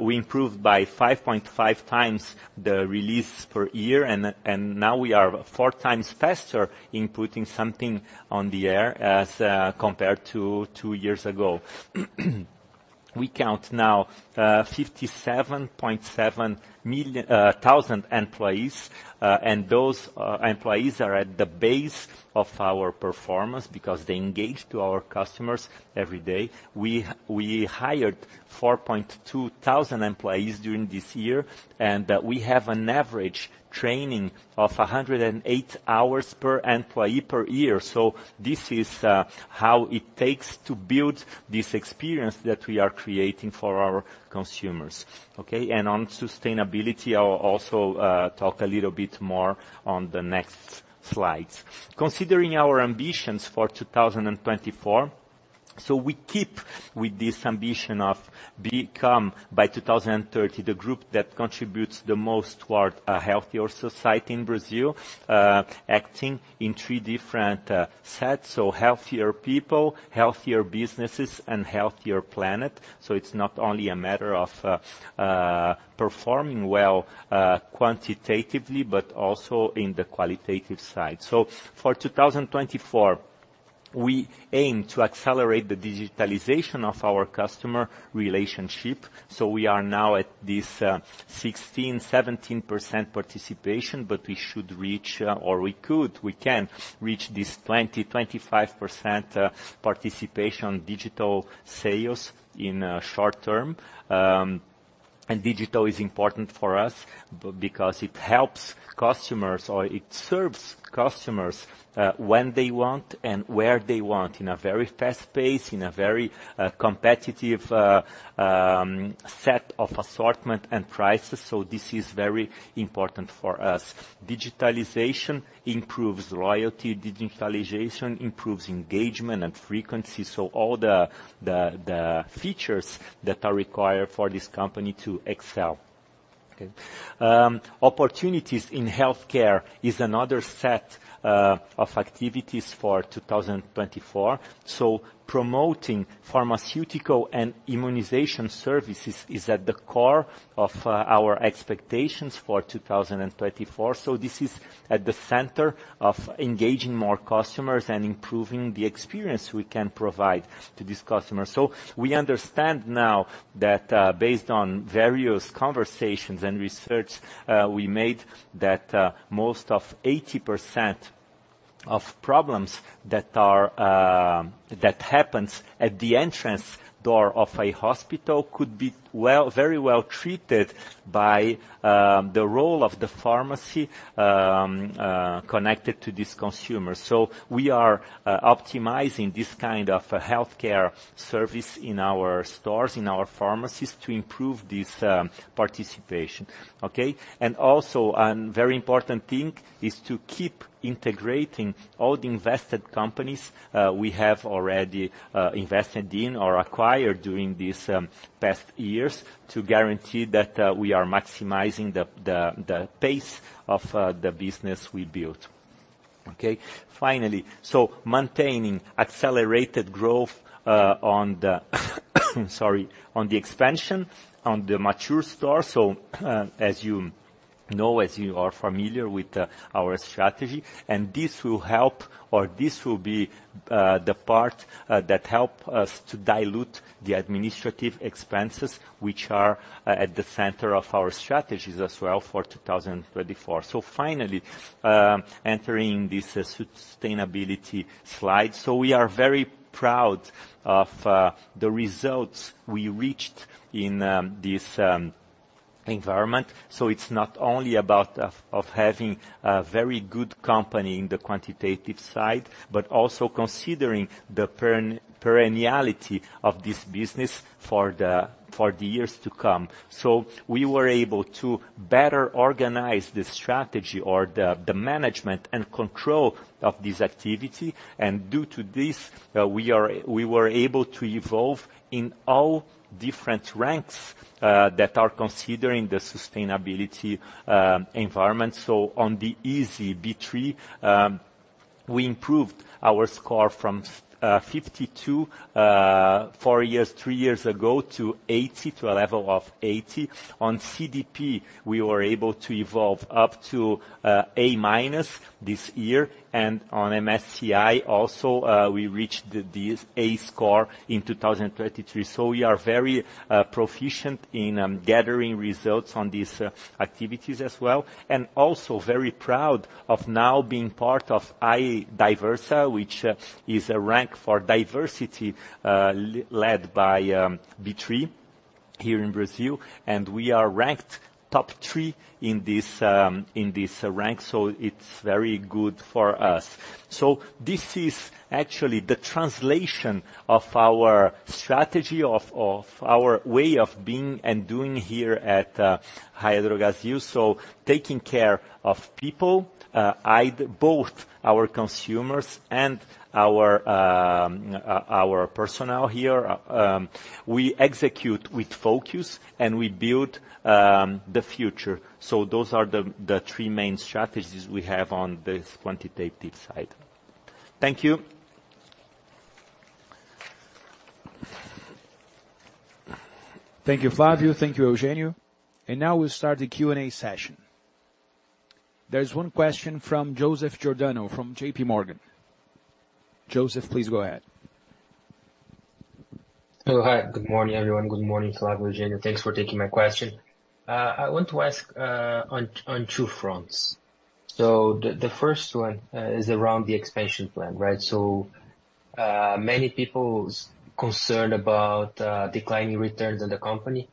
we improved by 5.5 times the release per year and now we are 4 times faster in putting something on the air as compared to 2 years ago. We count now 57,700 employees, and those employees are at the base of our performance because they engage to our customers every day. We hired 4,200 employees during this year and we have an average training of 108 hours per employee per year, so this is how it takes to build this experience that we are creating for our consumers. Okay, and on sustainability, I'll also talk a little bit more on the next slides. Considering our ambitions for 2024, so we keep with this ambition of become by 2030 the group that contributes the most toward a healthier society in Brazil, acting in three different sets, so healthier people, healthier businesses, and healthier planet, so it's not only a matter of performing well quantitatively but also in the qualitative side. For 2024, we aim to accelerate the digitalization of our customer relationship, so we are now at this 16%-17% participation, but we should reach or we could, we can reach this 20%-25% participation on digital sales in short term, and digital is important for us because it helps customers or it serves customers when they want and where they want in a very fast pace, in a very competitive set of assortment and prices, so this is very important for us. Digitalization improves loyalty, digitalization improves engagement and frequency, so all the features that are required for this company to excel. Okay, opportunities in healthcare is another set of activities for 2024, so promoting pharmaceutical and immunization services is at the core of our expectations for 2024, so this is at the center of engaging more customers and improving the experience we can provide to these customers. We understand now that, based on various conversations and research, we made that most of 80% of problems that happens at the entrance door of a hospital could be well very well treated by the role of the pharmacy, connected to these consumers, so we are optimizing this kind of healthcare service in our stores, in our pharmacies to improve this participation. Okay, and also a very important thing is to keep integrating all the invested companies we have already invested in or acquired during these past years to guarantee that we are maximizing the pace of the business we built. Okay, finally, so maintaining accelerated growth on the, sorry, on the expansion on the mature store, so as you know, as you are familiar with our strategy, and this will help or this will be the part that helps us to dilute the administrative expenses which are at the center of our strategies as well for 2024. Finally, entering this sustainability slide, so we are very proud of the results we reached in this environment, so it's not only about having a very good company in the quantitative side but also considering the perenniality of this business for the years to come. We were able to better organize the strategy or the management and control of this activity, and due to this, we were able to evolve in all different ranks that are considering the sustainability, environment. On the ISE B3, we improved our score from 52, four or three years ago to 80, to a level of 80. On CDP, we were able to evolve up to A- this year, and on MSCI also, we reached this A score in 2023, so we are very proficient in gathering results on these activities as well, and also very proud of now being part of IDIVERSA B3, which is a rank for diversity, led by B3 here in Brazil, and we are ranked top three in this rank, so it's very good for us. This is actually the translation of our strategy, of our way of being and doing here at Raia Drogasil, so taking care of people, both our consumers and our personnel here, we execute with focus and we build the future, so those are the three main strategies we have on this quantitative side. Thank you. Thank you, Flávio. Thank you, Eugênio. Now we'll start the Q&A session. There's one question from Joseph Giordano from JPMorgan. Joseph, please go ahead. Hello. Hi. Good morning, everyone. Good morning, Flávio, Eugênio. Thanks for taking my question. I want to ask on two fronts. the first one is around the expansion plan, right? many people are concerned about declining returns in the company,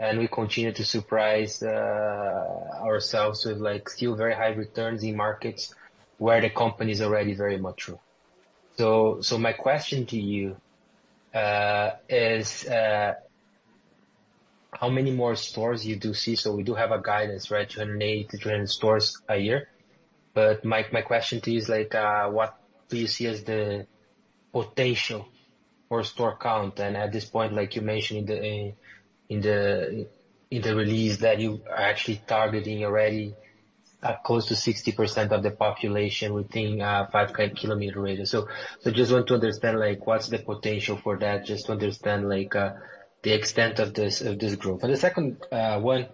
and we continue to surprise ourselves with, like, still very high returns in markets where the company is already very mature. my question to you is, how many more stores you do see? We do have a guidance, right, 280-300 stores a year, but my question to you is, like, what do you see as the potential for store count? At this point, like you mentioned in the release that you are actually targeting already close to 60% of the population within 5 km radius. I just want to understand, like, what's the potential for that, just to understand, like, the extent of this growth. The second one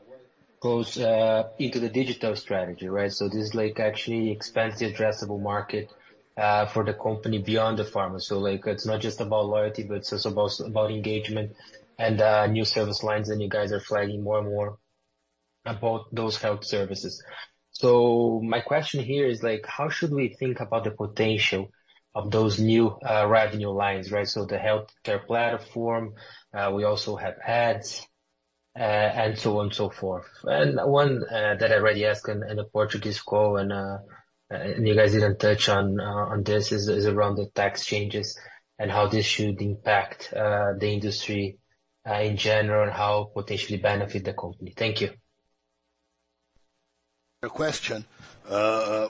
goes into the digital strategy, right? This is, like, actually expansive addressable market, for the company beyond the pharma, so, like, it's not just about loyalty, but it's also about engagement and, new service lines that you guys are flagging more and more about those health services. My question here is, like, how should we think about the potential of those new, revenue lines, right? The healthcare platform, we also have ads, and so on and so forth. One, that I already asked in a Portuguese call and, you guys didn't touch on this is around the tax changes and how this should impact, the industry, in general and how potentially benefit the company. Thank you. Question.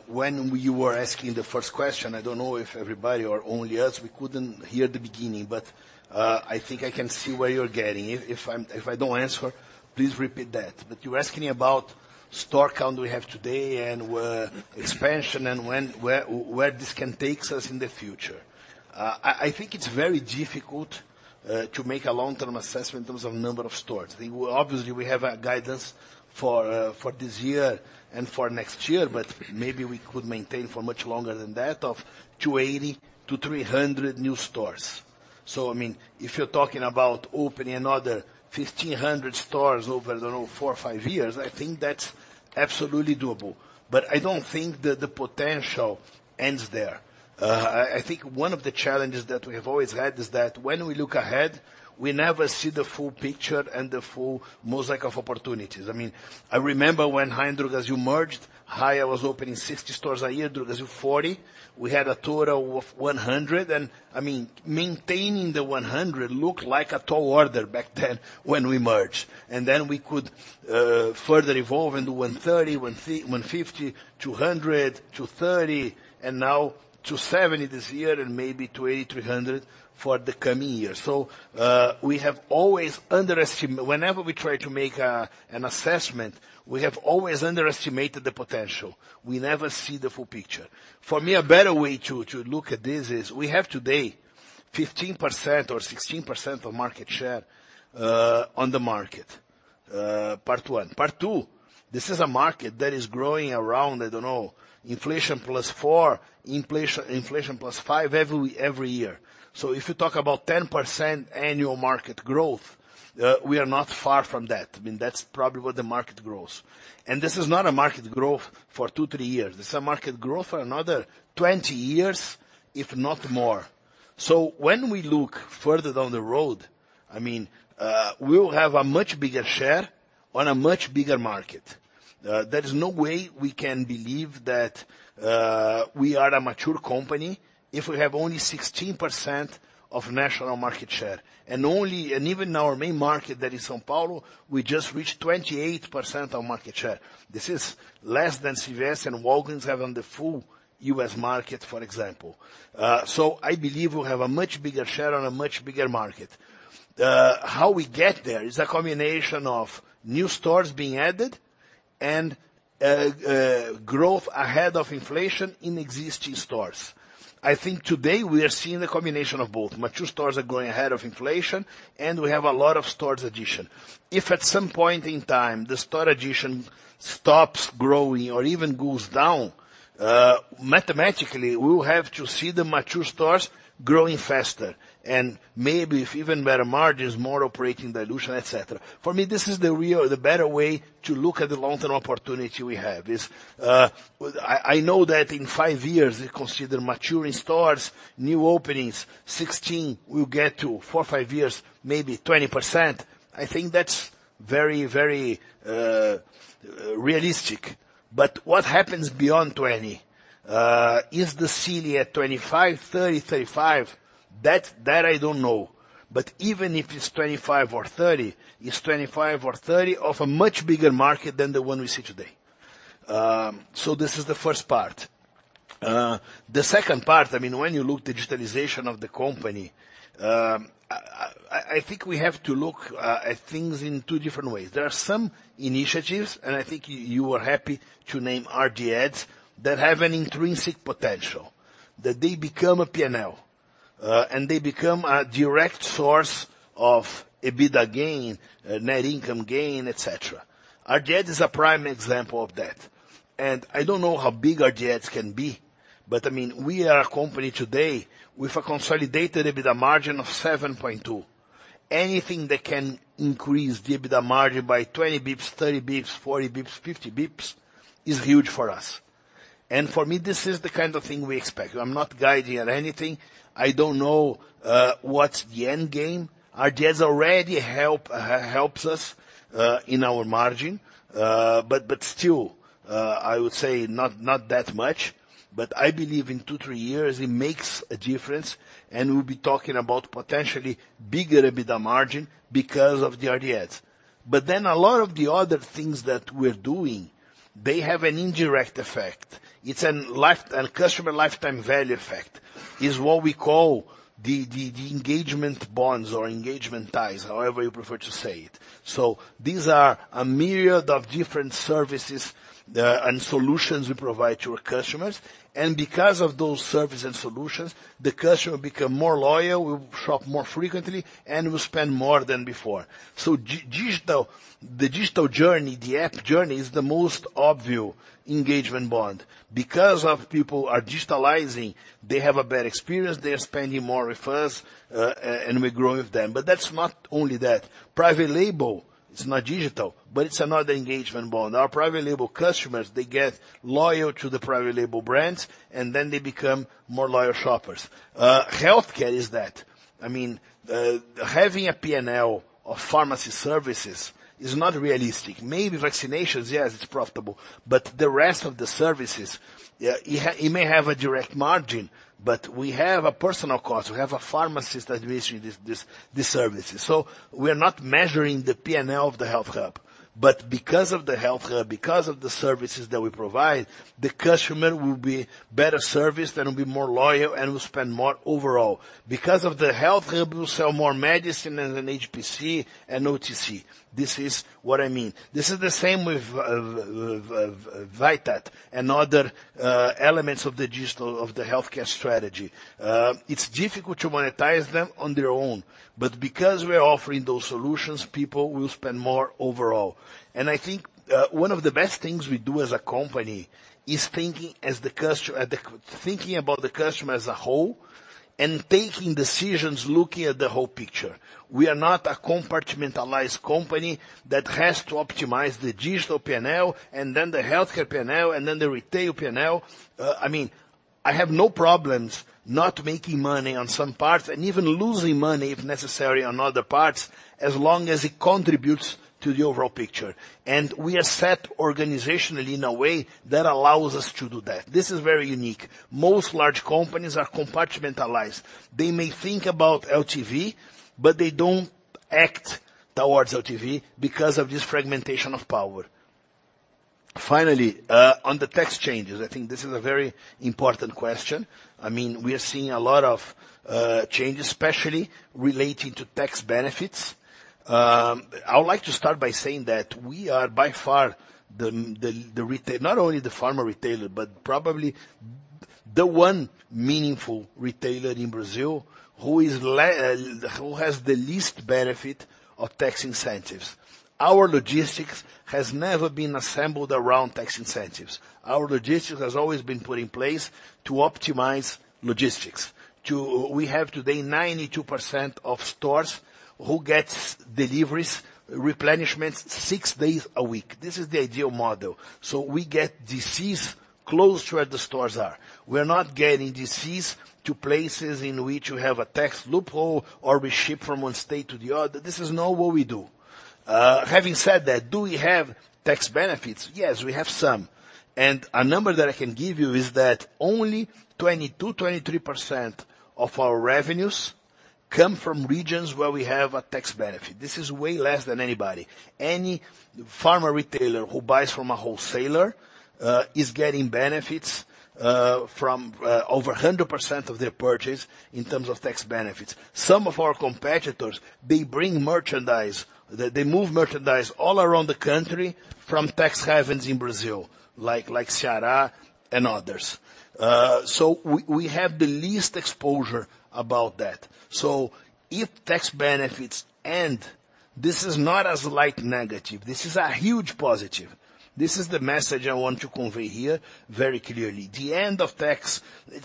When you were asking the first question, I don't know if everybody or only us, we couldn't hear the beginning, but, I think I can see where you're getting. If I don't answer, please repeat that. You're asking about store count we have today and expansion and when where this can take us in the future. I think it's very difficult to make a long-term assessment in terms of number of stores. Obviously, we have a guidance for this year and for next year, but maybe we could maintain for much longer than that of 280-300 new stores. I mean, if you're talking about opening another 1,500 stores over, I don't know, 4, 5 years, I think that's absolutely doable, but I don't think the potential ends there. I think one of the challenges that we have always had is that when we look ahead, we never see the full picture and the full mosaic of opportunities. I mean, I remember when Raia Drogasil merged, Raia was opening 60 stores a year, Drogasil 40, we had a total of 100, and, I mean, maintaining the 100 looked like a tall order back then when we merged, and then we could further evolve and do 130, 150, 200, 230, and now 270 this year and maybe 280-300 for the coming year. We have always underestimated whenever we try to make an assessment, we have always underestimated the potential. We never see the full picture. For me, a better way to look at this is we have today 15% or 16% of market share, on the market, part one. Part two, this is a market that is growing around, I don't know, inflation plus four, inflation plus five every year. If you talk about 10% annual market growth, we are not far from that. I mean, that's probably what the market grows. This is not a market growth for two, three years. This is a market growth for another 20 years, if not more. When we look further down the road, I mean, we'll have a much bigger share on a much bigger market. There is no way we can believe that we are a mature company if we have only 16% of national market share, and only, and even in our main market that is São Paulo, we just reached 28% of market share. This is less than CVS and Walgreens have on the full U.S. market, for example. I believe we'll have a much bigger share on a much bigger market. How we get there is a combination of new stores being added and growth ahead of inflation in existing stores. I think today we are seeing a combination of both. Mature stores are growing ahead of inflation, and we have a lot of stores addition. If at some point in time the store addition stops growing or even goes down, mathematically, we'll have to see the mature stores growing faster and maybe if even better margins, more operating dilution, etc. For me, this is the real the better way to look at the long-term opportunity we have is, I know that in five years we consider maturing stores, new openings, 16, we'll get to four, five years, maybe 20%. I think that's very, very realistic, but what happens beyond 20%, is the ceiling at 25%, 30%, 35%? That, I don't know, but even if it's 25 or 30, it's 25 or 30 of a much bigger market than the one we see today. This is the first part. The second part, I mean, when you look at digitalization of the company, I think we have to look at things in two different ways. There are some initiatives, and I think you were happy to name RD Ads, that have an intrinsic potential, that they become a P&L, and they become a direct source of EBITDA gain, net income gain, etc. RD Ads is a prime example of that, and I don't know how big RD Ads can be, but, I mean, we are a company today with a consolidated EBITDA margin of 7.2%. Anything that can increase the EBITDA margin by 20 basis points, 30 basis points, 40 basis points, 50 basis points is huge for us, and for me, this is the kind of thing we expect. I'm not guiding at anything. I don't know, what's the end game. RD Ads already helps us in our margin, but still, I would say not that much, but I believe in two, three years it makes a difference, and we'll be talking about potentially bigger EBITDA margin because of the RD Ads. Then a lot of the other things that we're doing, they have an indirect effect. It's a lifetime customer lifetime value effect is what we call the engagement bonds or engagement ties, however you prefer to say it. These are a myriad of different services and solutions we provide to our customers, and because of those services and solutions, the customer becomes more loyal, will shop more frequently, and will spend more than before. The digital journey, the app journey is the most obvious engagement bond because people are digitalizing, they have a better experience, they are spending more refunds, and we're growing with them, but that's not only that. Private label, it's not digital, but it's another engagement bond. Our private label customers, they get loyal to the private label brands, and then they become more loyal shoppers. Healthcare is that. I mean, having a P&L of pharmacy services is not realistic. Maybe vaccinations, yes, it's profitable, but the rest of the services, yeah, it may have a direct margin, but we have a personal cost. We have a pharmacist administering this service, so we are not measuring the P&L of the health hub, but because of the health hub, because of the services that we provide, the customer will be better serviced and will be more loyal and will spend more overall. Because of the health hub, we'll sell more medicine than HPC and OTC. This is what I mean. This is the same with Vitat and other elements of the digital of the healthcare strategy. It's difficult to monetize them on their own, but because we are offering those solutions, people will spend more overall, and I think, one of the best things we do as a company is thinking as the customer at the thinking about the customer as a whole and taking decisions looking at the whole picture. We are not a compartmentalized company that has to optimize the digital P&L and then the healthcare P&L and then the retail P&L. I mean, I have no problems not making money on some parts and even losing money if necessary on other parts as long as it contributes to the overall picture, and we are set organizationally in a way that allows us to do that. This is very unique. Most large companies are compartmentalized. They may think about LTV, but they don't act towards LTV because of this fragmentation of power. Finally, on the tax changes, I think this is a very important question. I mean, we are seeing a lot of changes, especially relating to tax benefits. I would like to start by saying that we are by far the retail not only the pharma retailer, but probably the one meaningful retailer in Brazil who has the least benefit of tax incentives. Our logistics has never been assembled around tax incentives. Our logistics has always been put in place to optimize logistics. Today we have 92% of stores who get deliveries, replenishments six days a week. This is the ideal model, so we get DCs close to where the stores are. We are not getting DCs to places in which you have a tax loophole or we ship from one state to the other. This is not what we do. Having said that, do we have tax benefits? Yes, we have some, and a number that I can give you is that only 22%-23% of our revenues come from regions where we have a tax benefit. This is way less than anybody. Any pharma retailer who buys from a wholesaler is getting benefits from over 100% of their purchase in terms of tax benefits. Some of our competitors, they bring merchandise, they move merchandise all around the country from tax havens in Brazil, like Ceará and others. We have the least exposure about that. If tax benefits and this is not as a light negative, this is a huge positive. This is the message I want to convey here very clearly. The end of tax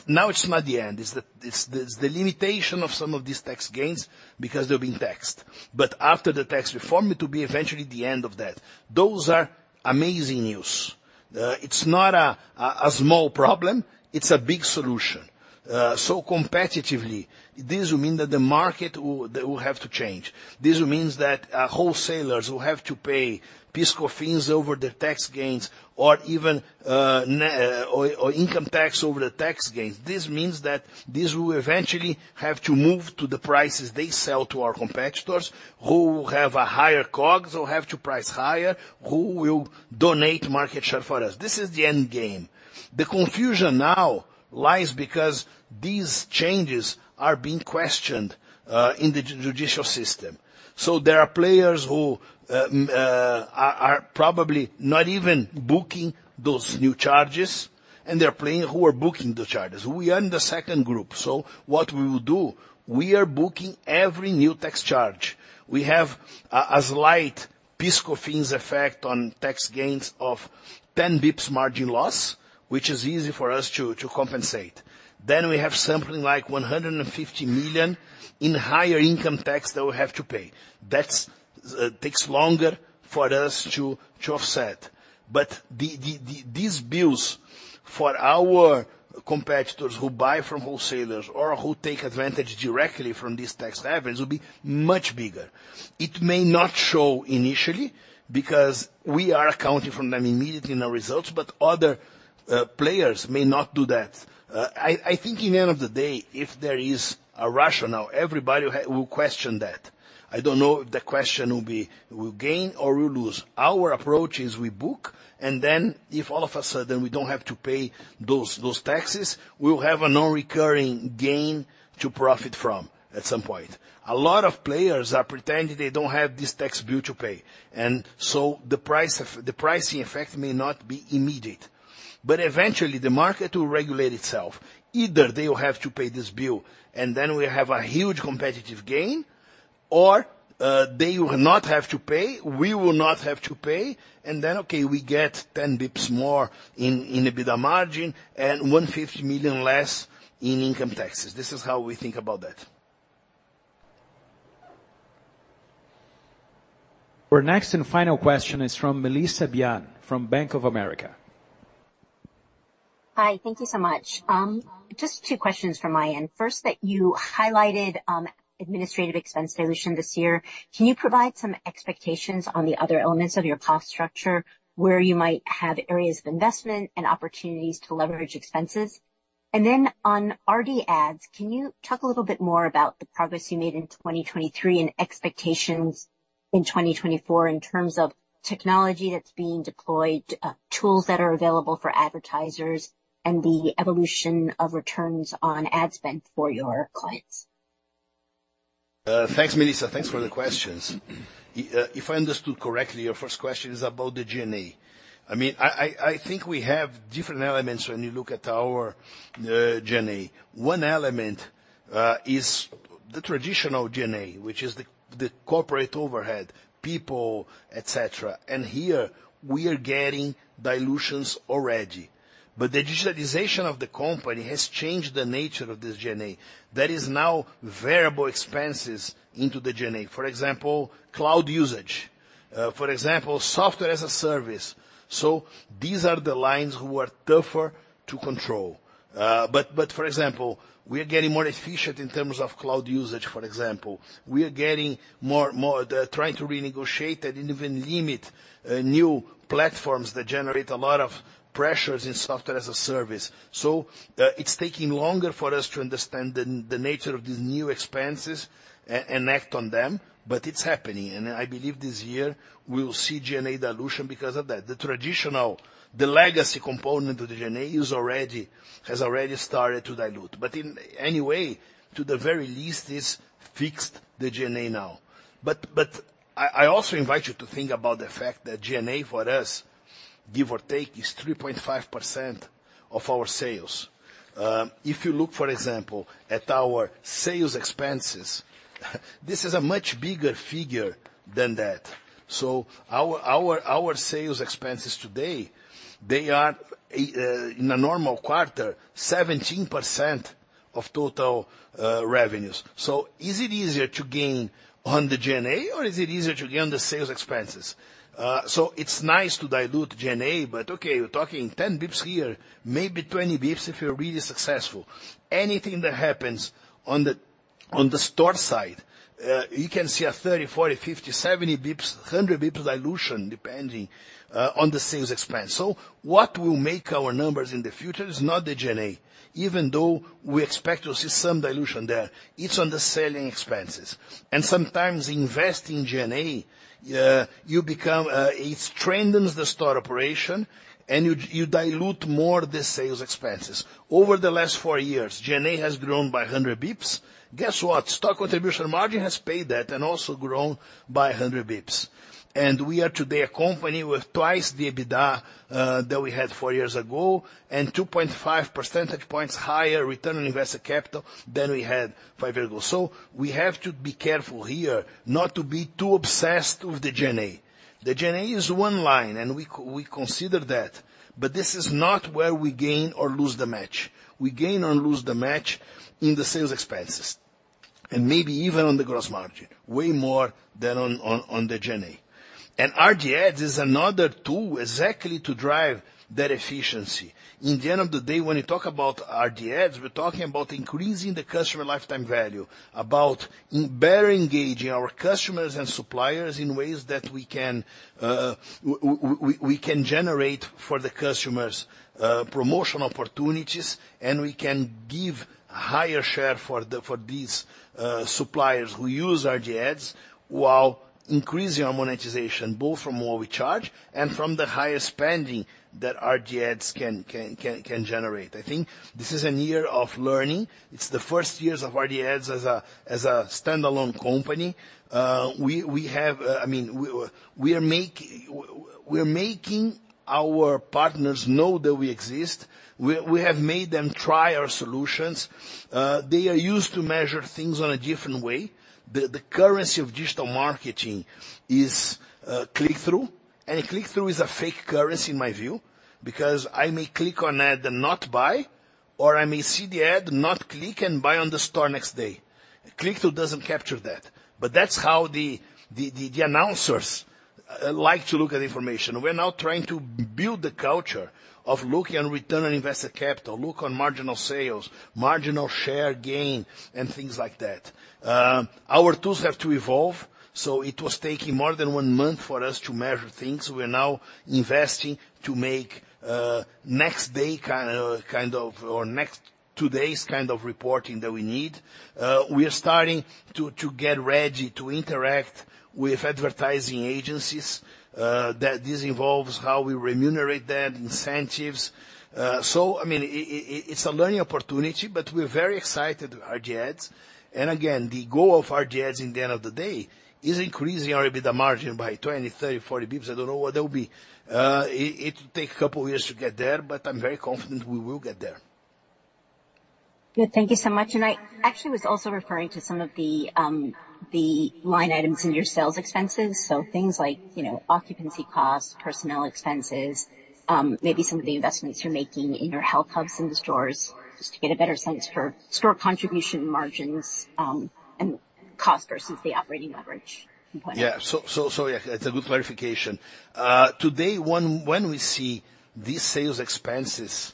now it's not the end. It's the limitation of some of these tax gains because they've been taxed, but after the tax reform, it will be eventually the end of that. Those are amazing news. It's not a small problem. It's a big solution. Competitively, this will mean that the market will have to change. This will mean that wholesalers will have to pay fiscal fees over their tax gains or even income tax over the tax gains. This means that this will eventually have to move to the prices they sell to our competitors who will have a higher COGS or have to price higher who will donate market share for us. This is the end game. The confusion now lies because these changes are being questioned in the judicial system. There are players who are probably not even booking those new charges, and there are players who are booking the charges. We are in the second group, so what we will do, we are booking every new tax charge. We have a slight fiscal fees effect on tax gains of 10 basis points margin loss, which is easy for us to compensate. Then, we have something like 150 million in higher income tax that we have to pay. That's, it takes longer for us to offset, but these bills for our competitors who buy from wholesalers or who take advantage directly from these tax havens will be much bigger. It may not show initially because we are accounting for them immediately in our results, but other players may not do that. I think in the end of the day, if there is a rationale, everybody will question that. I don't know if the question will be will gain or will lose. Our approach is we book, and then if all of a sudden we don't have to pay those taxes, we'll have a non-recurring gain to profit from at some point. A lot of players are pretending they don't have this tax bill to pay, and so the price effect the pricing effect may not be immediate, but eventually the market will regulate itself. Either they will have to pay this bill, and then we have a huge competitive gain, or, they will not have to pay, we will not have to pay, and then, okay, we get 10 basis points more in EBITDA margin and 150 million less in income taxes. This is how we think about that. Our next and final question is from Melissa Byun from Bank of America. Hi, thank you so much. Just two questions from my end. First, that you highlighted, administrative expense dilution this year. Can you provide some expectations on the other elements of your cost structure where you might have areas of investment and opportunities to leverage expenses? Then, on RD Ads, can you talk a little bit more about the progress you made in 2023 and expectations in 2024 in terms of technology that's being deployed, tools that are available for advertisers, and the evolution of returns on ad spend for your clients? Thanks, Melissa. Thanks for the questions. If I understood correctly, your first question is about the G&A. I mean, I think we have different elements when you look at our G&A. One element is the traditional G&A, which is the corporate overhead, people, etc., and here we are getting dilutions already, but the digitalization of the company has changed the nature of this G&A. That is now variable expenses into the G&A. For example, cloud usage, for example, software as a service. These are the lines who are tougher to control. For example, we are getting more efficient in terms of cloud usage, for example. We are getting more trying to renegotiate and even limit new platforms that generate a lot of pressures in software as a service. It's taking longer for us to understand the nature of these new expenses and act on them, but it's happening, and I believe this year we'll see G&A dilution because of that. The traditional legacy component of the G&A has already started to dilute, but in any way, to the very least, it's fixed the G&A now. I also invite you to think about the fact that G&A for us, give or take, is 3.5% of our sales. If you look, for example, at our sales expenses, this is a much bigger figure than that. Our sales expenses today, they are, in a normal quarter, 17% of total revenues. Is it easier to gain on the G&A, or is it easier to gain on the sales expenses? It's nice to dilute G&A, but okay, you're talking 10 basis points here, maybe 20 basis points if you're really successful. Anything that happens on the store side, you can see a 30, 40, 50, 70 bips, 100 bips dilution depending on the sales expense. What will make our numbers in the future is not the G&A, even though we expect to see some dilution there. It's on the selling expenses, and sometimes investing G&A, you become it strengthens the store operation, and you dilute more the sales expenses. Over the last four years, G&A has grown by 100 bips. Guess what? Store contribution margin has paid that and also grown by 100 bips, and we are today a company with twice the EBITDA that we had four years ago and 2.5 percentage points higher return on invested capital than we had five years ago. We have to be careful here not to be too obsessed with the G&A. The G&A is one line, and we consider that, but this is not where we gain or lose the match. We gain or lose the match in the sales expenses and maybe even on the gross margin way more than on the G&A. RD Ads is another tool exactly to drive that efficiency. In the end of the day, when you talk about RD Ads, we're talking about increasing the customer lifetime value, about better engaging our customers and suppliers in ways that we can generate for the customers promotional opportunities, and we can give a higher share for these suppliers who use RD Ads while increasing our monetization both from what we charge and from the higher spending that RD Ads can generate. I think this is a year of learning. It's the first years of RD Ads as a standalone company. We have, I mean, we are making our partners know that we exist. We have made them try our solutions. They are used to measure things on a different way. The currency of digital marketing is click-through, and click-through is a fake currency in my view because I may click on an ad and not buy, or I may see the ad, not click, and buy on the store next day. Click-through doesn't capture that, but that's how the advertisers like to look at information. We are now trying to build the culture of looking on return on invested capital, marginal sales, marginal share gain, and things like that. Our tools have to evolve, so it was taking more than one month for us to measure things. We are now investing to make next day kind of kind of or next two days kind of reporting that we need. We are starting to get ready to interact with advertising agencies. That this involves how we remunerate them, incentives. I mean, it's a learning opportunity, but we're very excited with RD Ads, and again, the goal of RD Ads in the end of the day is increasing our EBITDA margin by 20, 30, 40 basis points. I don't know what that will be. It will take a couple of years to get there, but I'm very confident we will get there. Good. Thank you so much. I actually was also referring to some of the line items in your sales expenses, so things like, you know, occupancy costs, personnel expenses, maybe some of the investments you're making in your health hubs and the stores, just to get a better sense for store contribution margins and cost versus the operating leverage component. Yeah. So yeah, it's a good clarification. Today, when we see these sales expenses,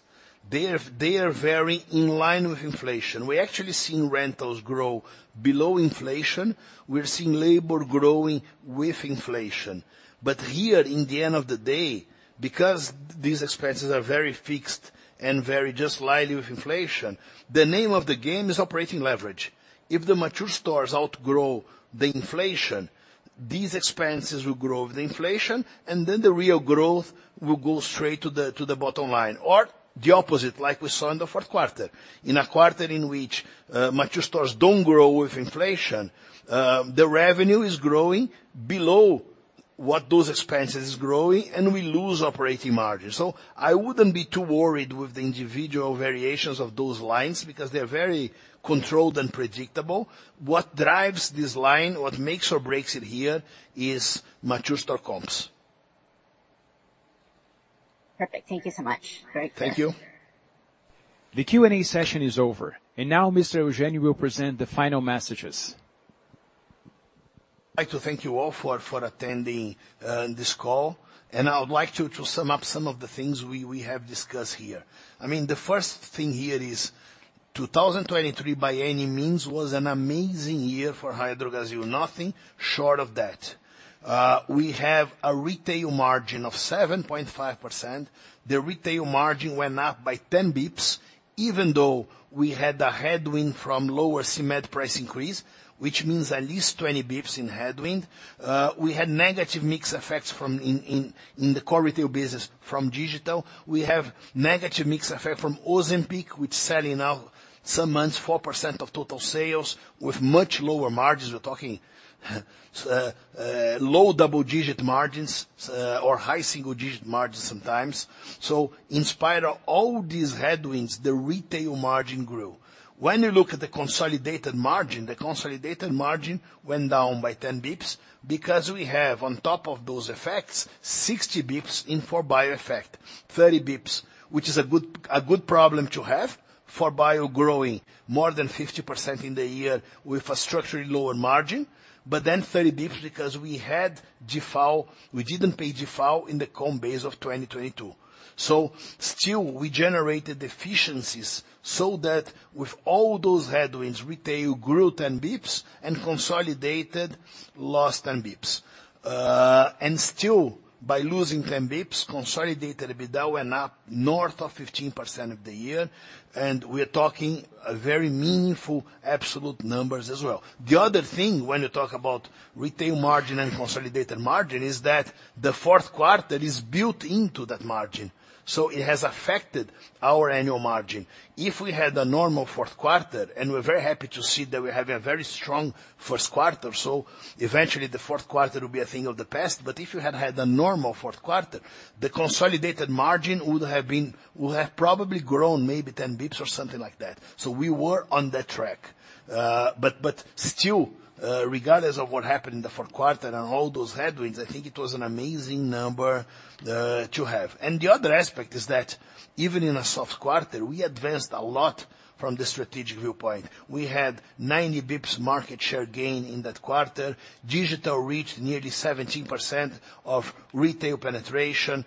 they are very in line with inflation. We're actually seeing rentals grow below inflation. We're seeing labor growing with inflation, but here in the end of the day, because these expenses are very fixed and very just slightly with inflation, the name of the game is operating leverage. If the mature stores outgrow the inflation, these expenses will grow with the inflation, and then the real growth will go straight to the bottom line or the opposite, like we saw in the fourth quarter. In a quarter in which mature stores don't grow with inflation, the revenue is growing below what those expenses are growing, and we lose operating margin. So, I wouldn't be too worried with the individual variations of those lines because they are very controlled and predictable. What drives this line, what makes or breaks it here, is mature store comps. Perfect. Thank you so much. Very clear. Thank you. The Q&A session is over, and now Mr. Eugênio will present the final messages. I'd like to thank you all for attending this call, and I would like to sum up some of the things we have discussed here. I mean, the first thing here is 2023, by any means, was an amazing year for Raia Drogasil. Nothing short of that. We have a retail margin of 7.5%. The retail margin went up by 10 basis points even though we had a headwind from lower CMED price increase, which means at least 20 basis points in headwind. We had negative mix effects from the core retail business from digital. We have negative mix effect from Ozempic, which is selling now some months 4% of total sales with much lower margins. We're talking, low double-digit margins, or high single-digit margins sometimes. So, in spite of all these headwinds, the retail margin grew. When you look at the consolidated margin, the consolidated margin went down by 10 basis points because we have, on top of those effects, 60 basis points in 4Bio effect, 30 basis points, which is a good problem to have for-buy growing more than 50% in the year with a structurally lower margin, but then 30 basis points because we had DIFAL we didn't pay DIFAL in the comp base of 2022. So, still, we generated efficiencies so that with all those headwinds, retail grew 10 basis points and consolidated lost 10 basis points Still, by losing 10 basis points, consolidated EBITDA went up north of 15% of the year, and we are talking very meaningful absolute numbers as well. The other thing, when you talk about retail margin and consolidated margin, is that the fourth quarter is built into that margin, so it has affected our annual margin. If we had a normal fourth quarter, and we're very happy to see that we have a very strong first quarter, so eventually the fourth quarter will be a thing of the past, but if you had had a normal fourth quarter, the consolidated margin would have been probably grown maybe 10 basis points or something like that. We were on that track. But still, regardless of what happened in the fourth quarter and all those headwinds, I think it was an amazing number to have. The other aspect is that even in a soft quarter, we advanced a lot from the strategic viewpoint. We had 90 basis points market share gain in that quarter. Digital reached nearly 17% of retail penetration.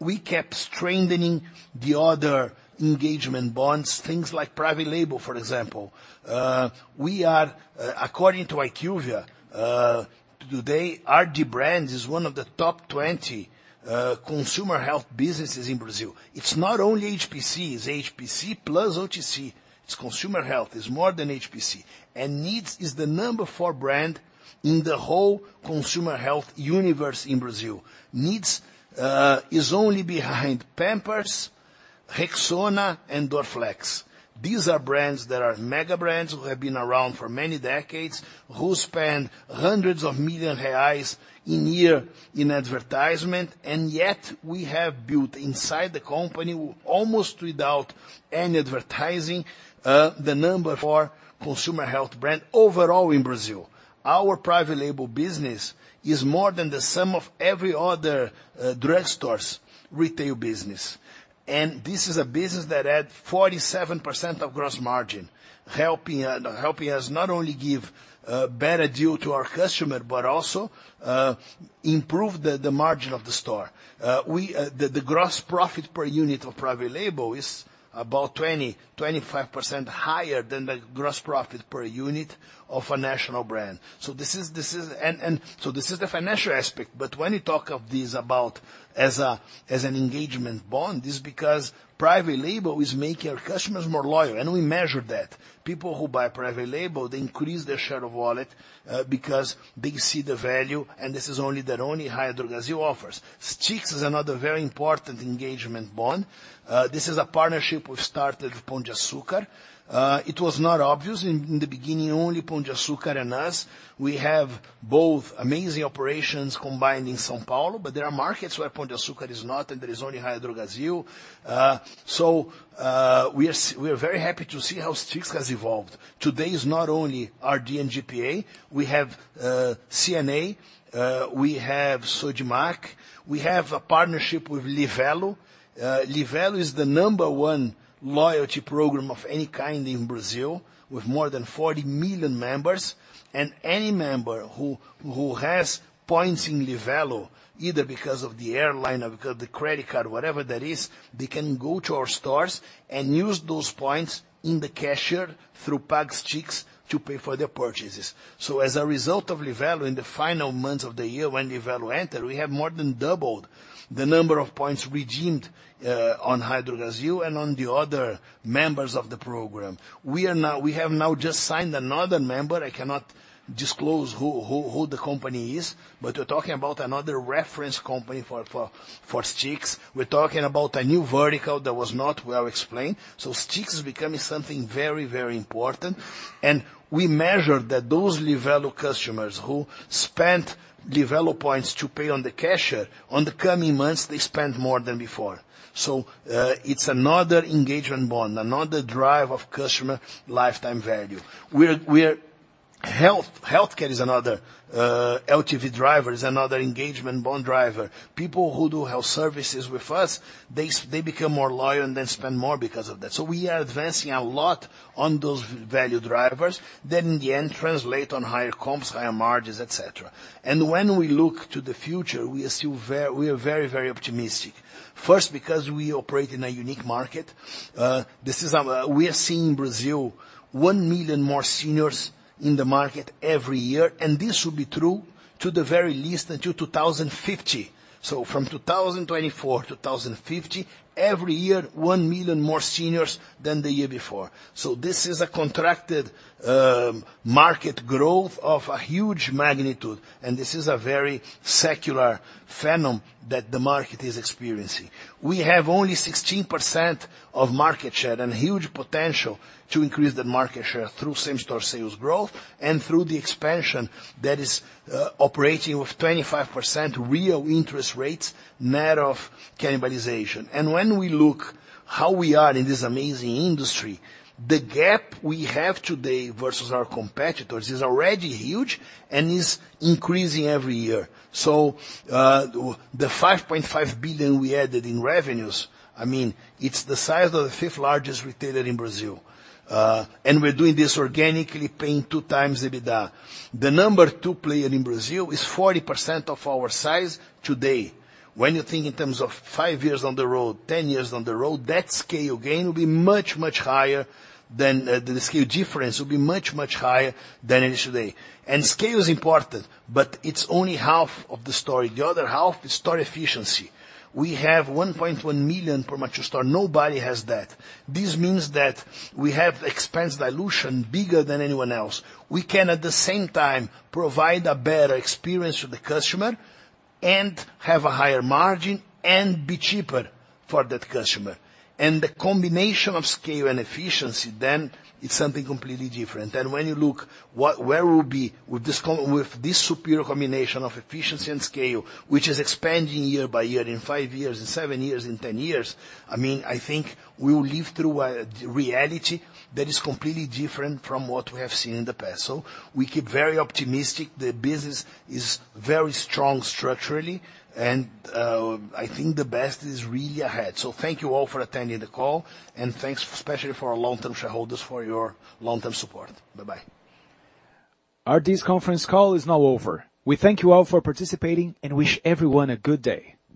We kept strengthening the other engagement bonds, things like private label, for example. We are, according to IQVIA, today RD Brands is one of the top 20 consumer health businesses in Brazil. It's not only HPC. It's HPC plus OTC. It's consumer health. It's more than HPC, and NEEDS is the number 4 brand in the whole consumer health universe in Brazil. NEEDS is only behind Pampers, Rexona, and Dorflex. These are brands that are mega brands who have been around for many decades, who spend hundreds of millions of reais a year in advertisement, and yet we have built inside the company, almost without any advertising, the number 4 consumer health brand overall in Brazil. Our private label business is more than the sum of every other drugstore's retail business, and this is a business that had 47% of gross margin, helping us not only give better deal to our customer but also improve the margin of the store. The gross profit per unit of private label is about 20%-25% higher than the gross profit per unit of a national brand. So, this is the financial aspect, but when you talk about this as an engagement bond, it's because private label is making our customers more loyal, and we measure that. People who buy private label, they increase their share of wallet, because they see the value, and this is only that only Raia Drogasil offers. Stix is another very important engagement bond. This is a partnership we've started with Pão de Açúcar. It was not obvious in the beginning, only Pão de Açúcar and us. We have both amazing operations combined in São Paulo, but there are markets where Pão de Açúcar is not, and there is only Raia Drogasil. We are we are very happy to see how Stix has evolved. Today is not only RD and GPA. We have C&A. We have Sodimac. We have a partnership with Livelo. Livelo is the number one loyalty program of any kind in Brazil with more than 40 million members, and any member who who has points in Livelo, either because of the airline or because of the credit card, whatever that is, they can go to our stores and use those points in the cashier through PagStix to pay for their purchases. As a result of Livelo, in the final months of the year, when Livelo entered, we have more than doubled the number of points redeemed, on Raia Drogasil and on the other members of the program. We are now we have now just signed another member. I cannot disclose who the company is, but we're talking about another reference company for Stix. We're talking about a new vertical that was not well explained. So, Stix is becoming something very, very important, and we measure that those Livelo customers who spent Livelo points to pay on the cashier on the coming months, they spent more than before. So, it's another engagement bond, another drive of customer lifetime value. We're healthcare is another, LTV driver is another engagement bond driver. People who do health services with us, they become more loyal and then spend more because of that. So, we are advancing a lot on those value drivers that in the end translate on higher comps, higher margins, etc. When we look to the future, we are still very we are very, very optimistic, first because we operate in a unique market. This is a we are seeing in Brazil 1 million more seniors in the market every year, and this will be true to the very least until 2050. So, from 2024, 2050, every year, 1 million more seniors than the year before. So, this is a contracted, market growth of a huge magnitude, and this is a very secular phenomenon that the market is experiencing. We have only 16% of market share and huge potential to increase that market share through same-store sales growth and through the expansion that is, operating with 25% real interest rates, net of cannibalization. When we look how we are in this amazing industry, the gap we have today versus our competitors is already huge and is increasing every year. The 5.5 billion we added in revenues, I mean, it's the size of the fifth largest retailer in Brazil, and we're doing this organically paying 2x EBITDA. The number two player in Brazil is 40% of our size today. When you think in terms of five years on the road, 10 years on the road, that scale gain will be much, much higher than the scale difference will be much, much higher than it is today. And scale is important, but it's only half of the story. The other half is store efficiency. We have 1.1 million per mature store. Nobody has that. This means that we have expense dilution bigger than anyone else. We can, at the same time, provide a better experience to the customer and have a higher margin and be cheaper for that customer. The combination of scale and efficiency, then it's something completely different. When you look what, where we'll be with this superior combination of efficiency and scale, which is expanding year by year in 5 years, in 7 years, in 10 years, I mean, I think we will live through a reality that is completely different from what we have seen in the past. We keep very optimistic. The business is very strong structurally, and I think the best is really ahead. Thank you all for attending the call, and thanks especially for our long-term shareholders for your long-term support. Bye-bye. RD's conference call is now over. We thank you all for participating and wish everyone a good day.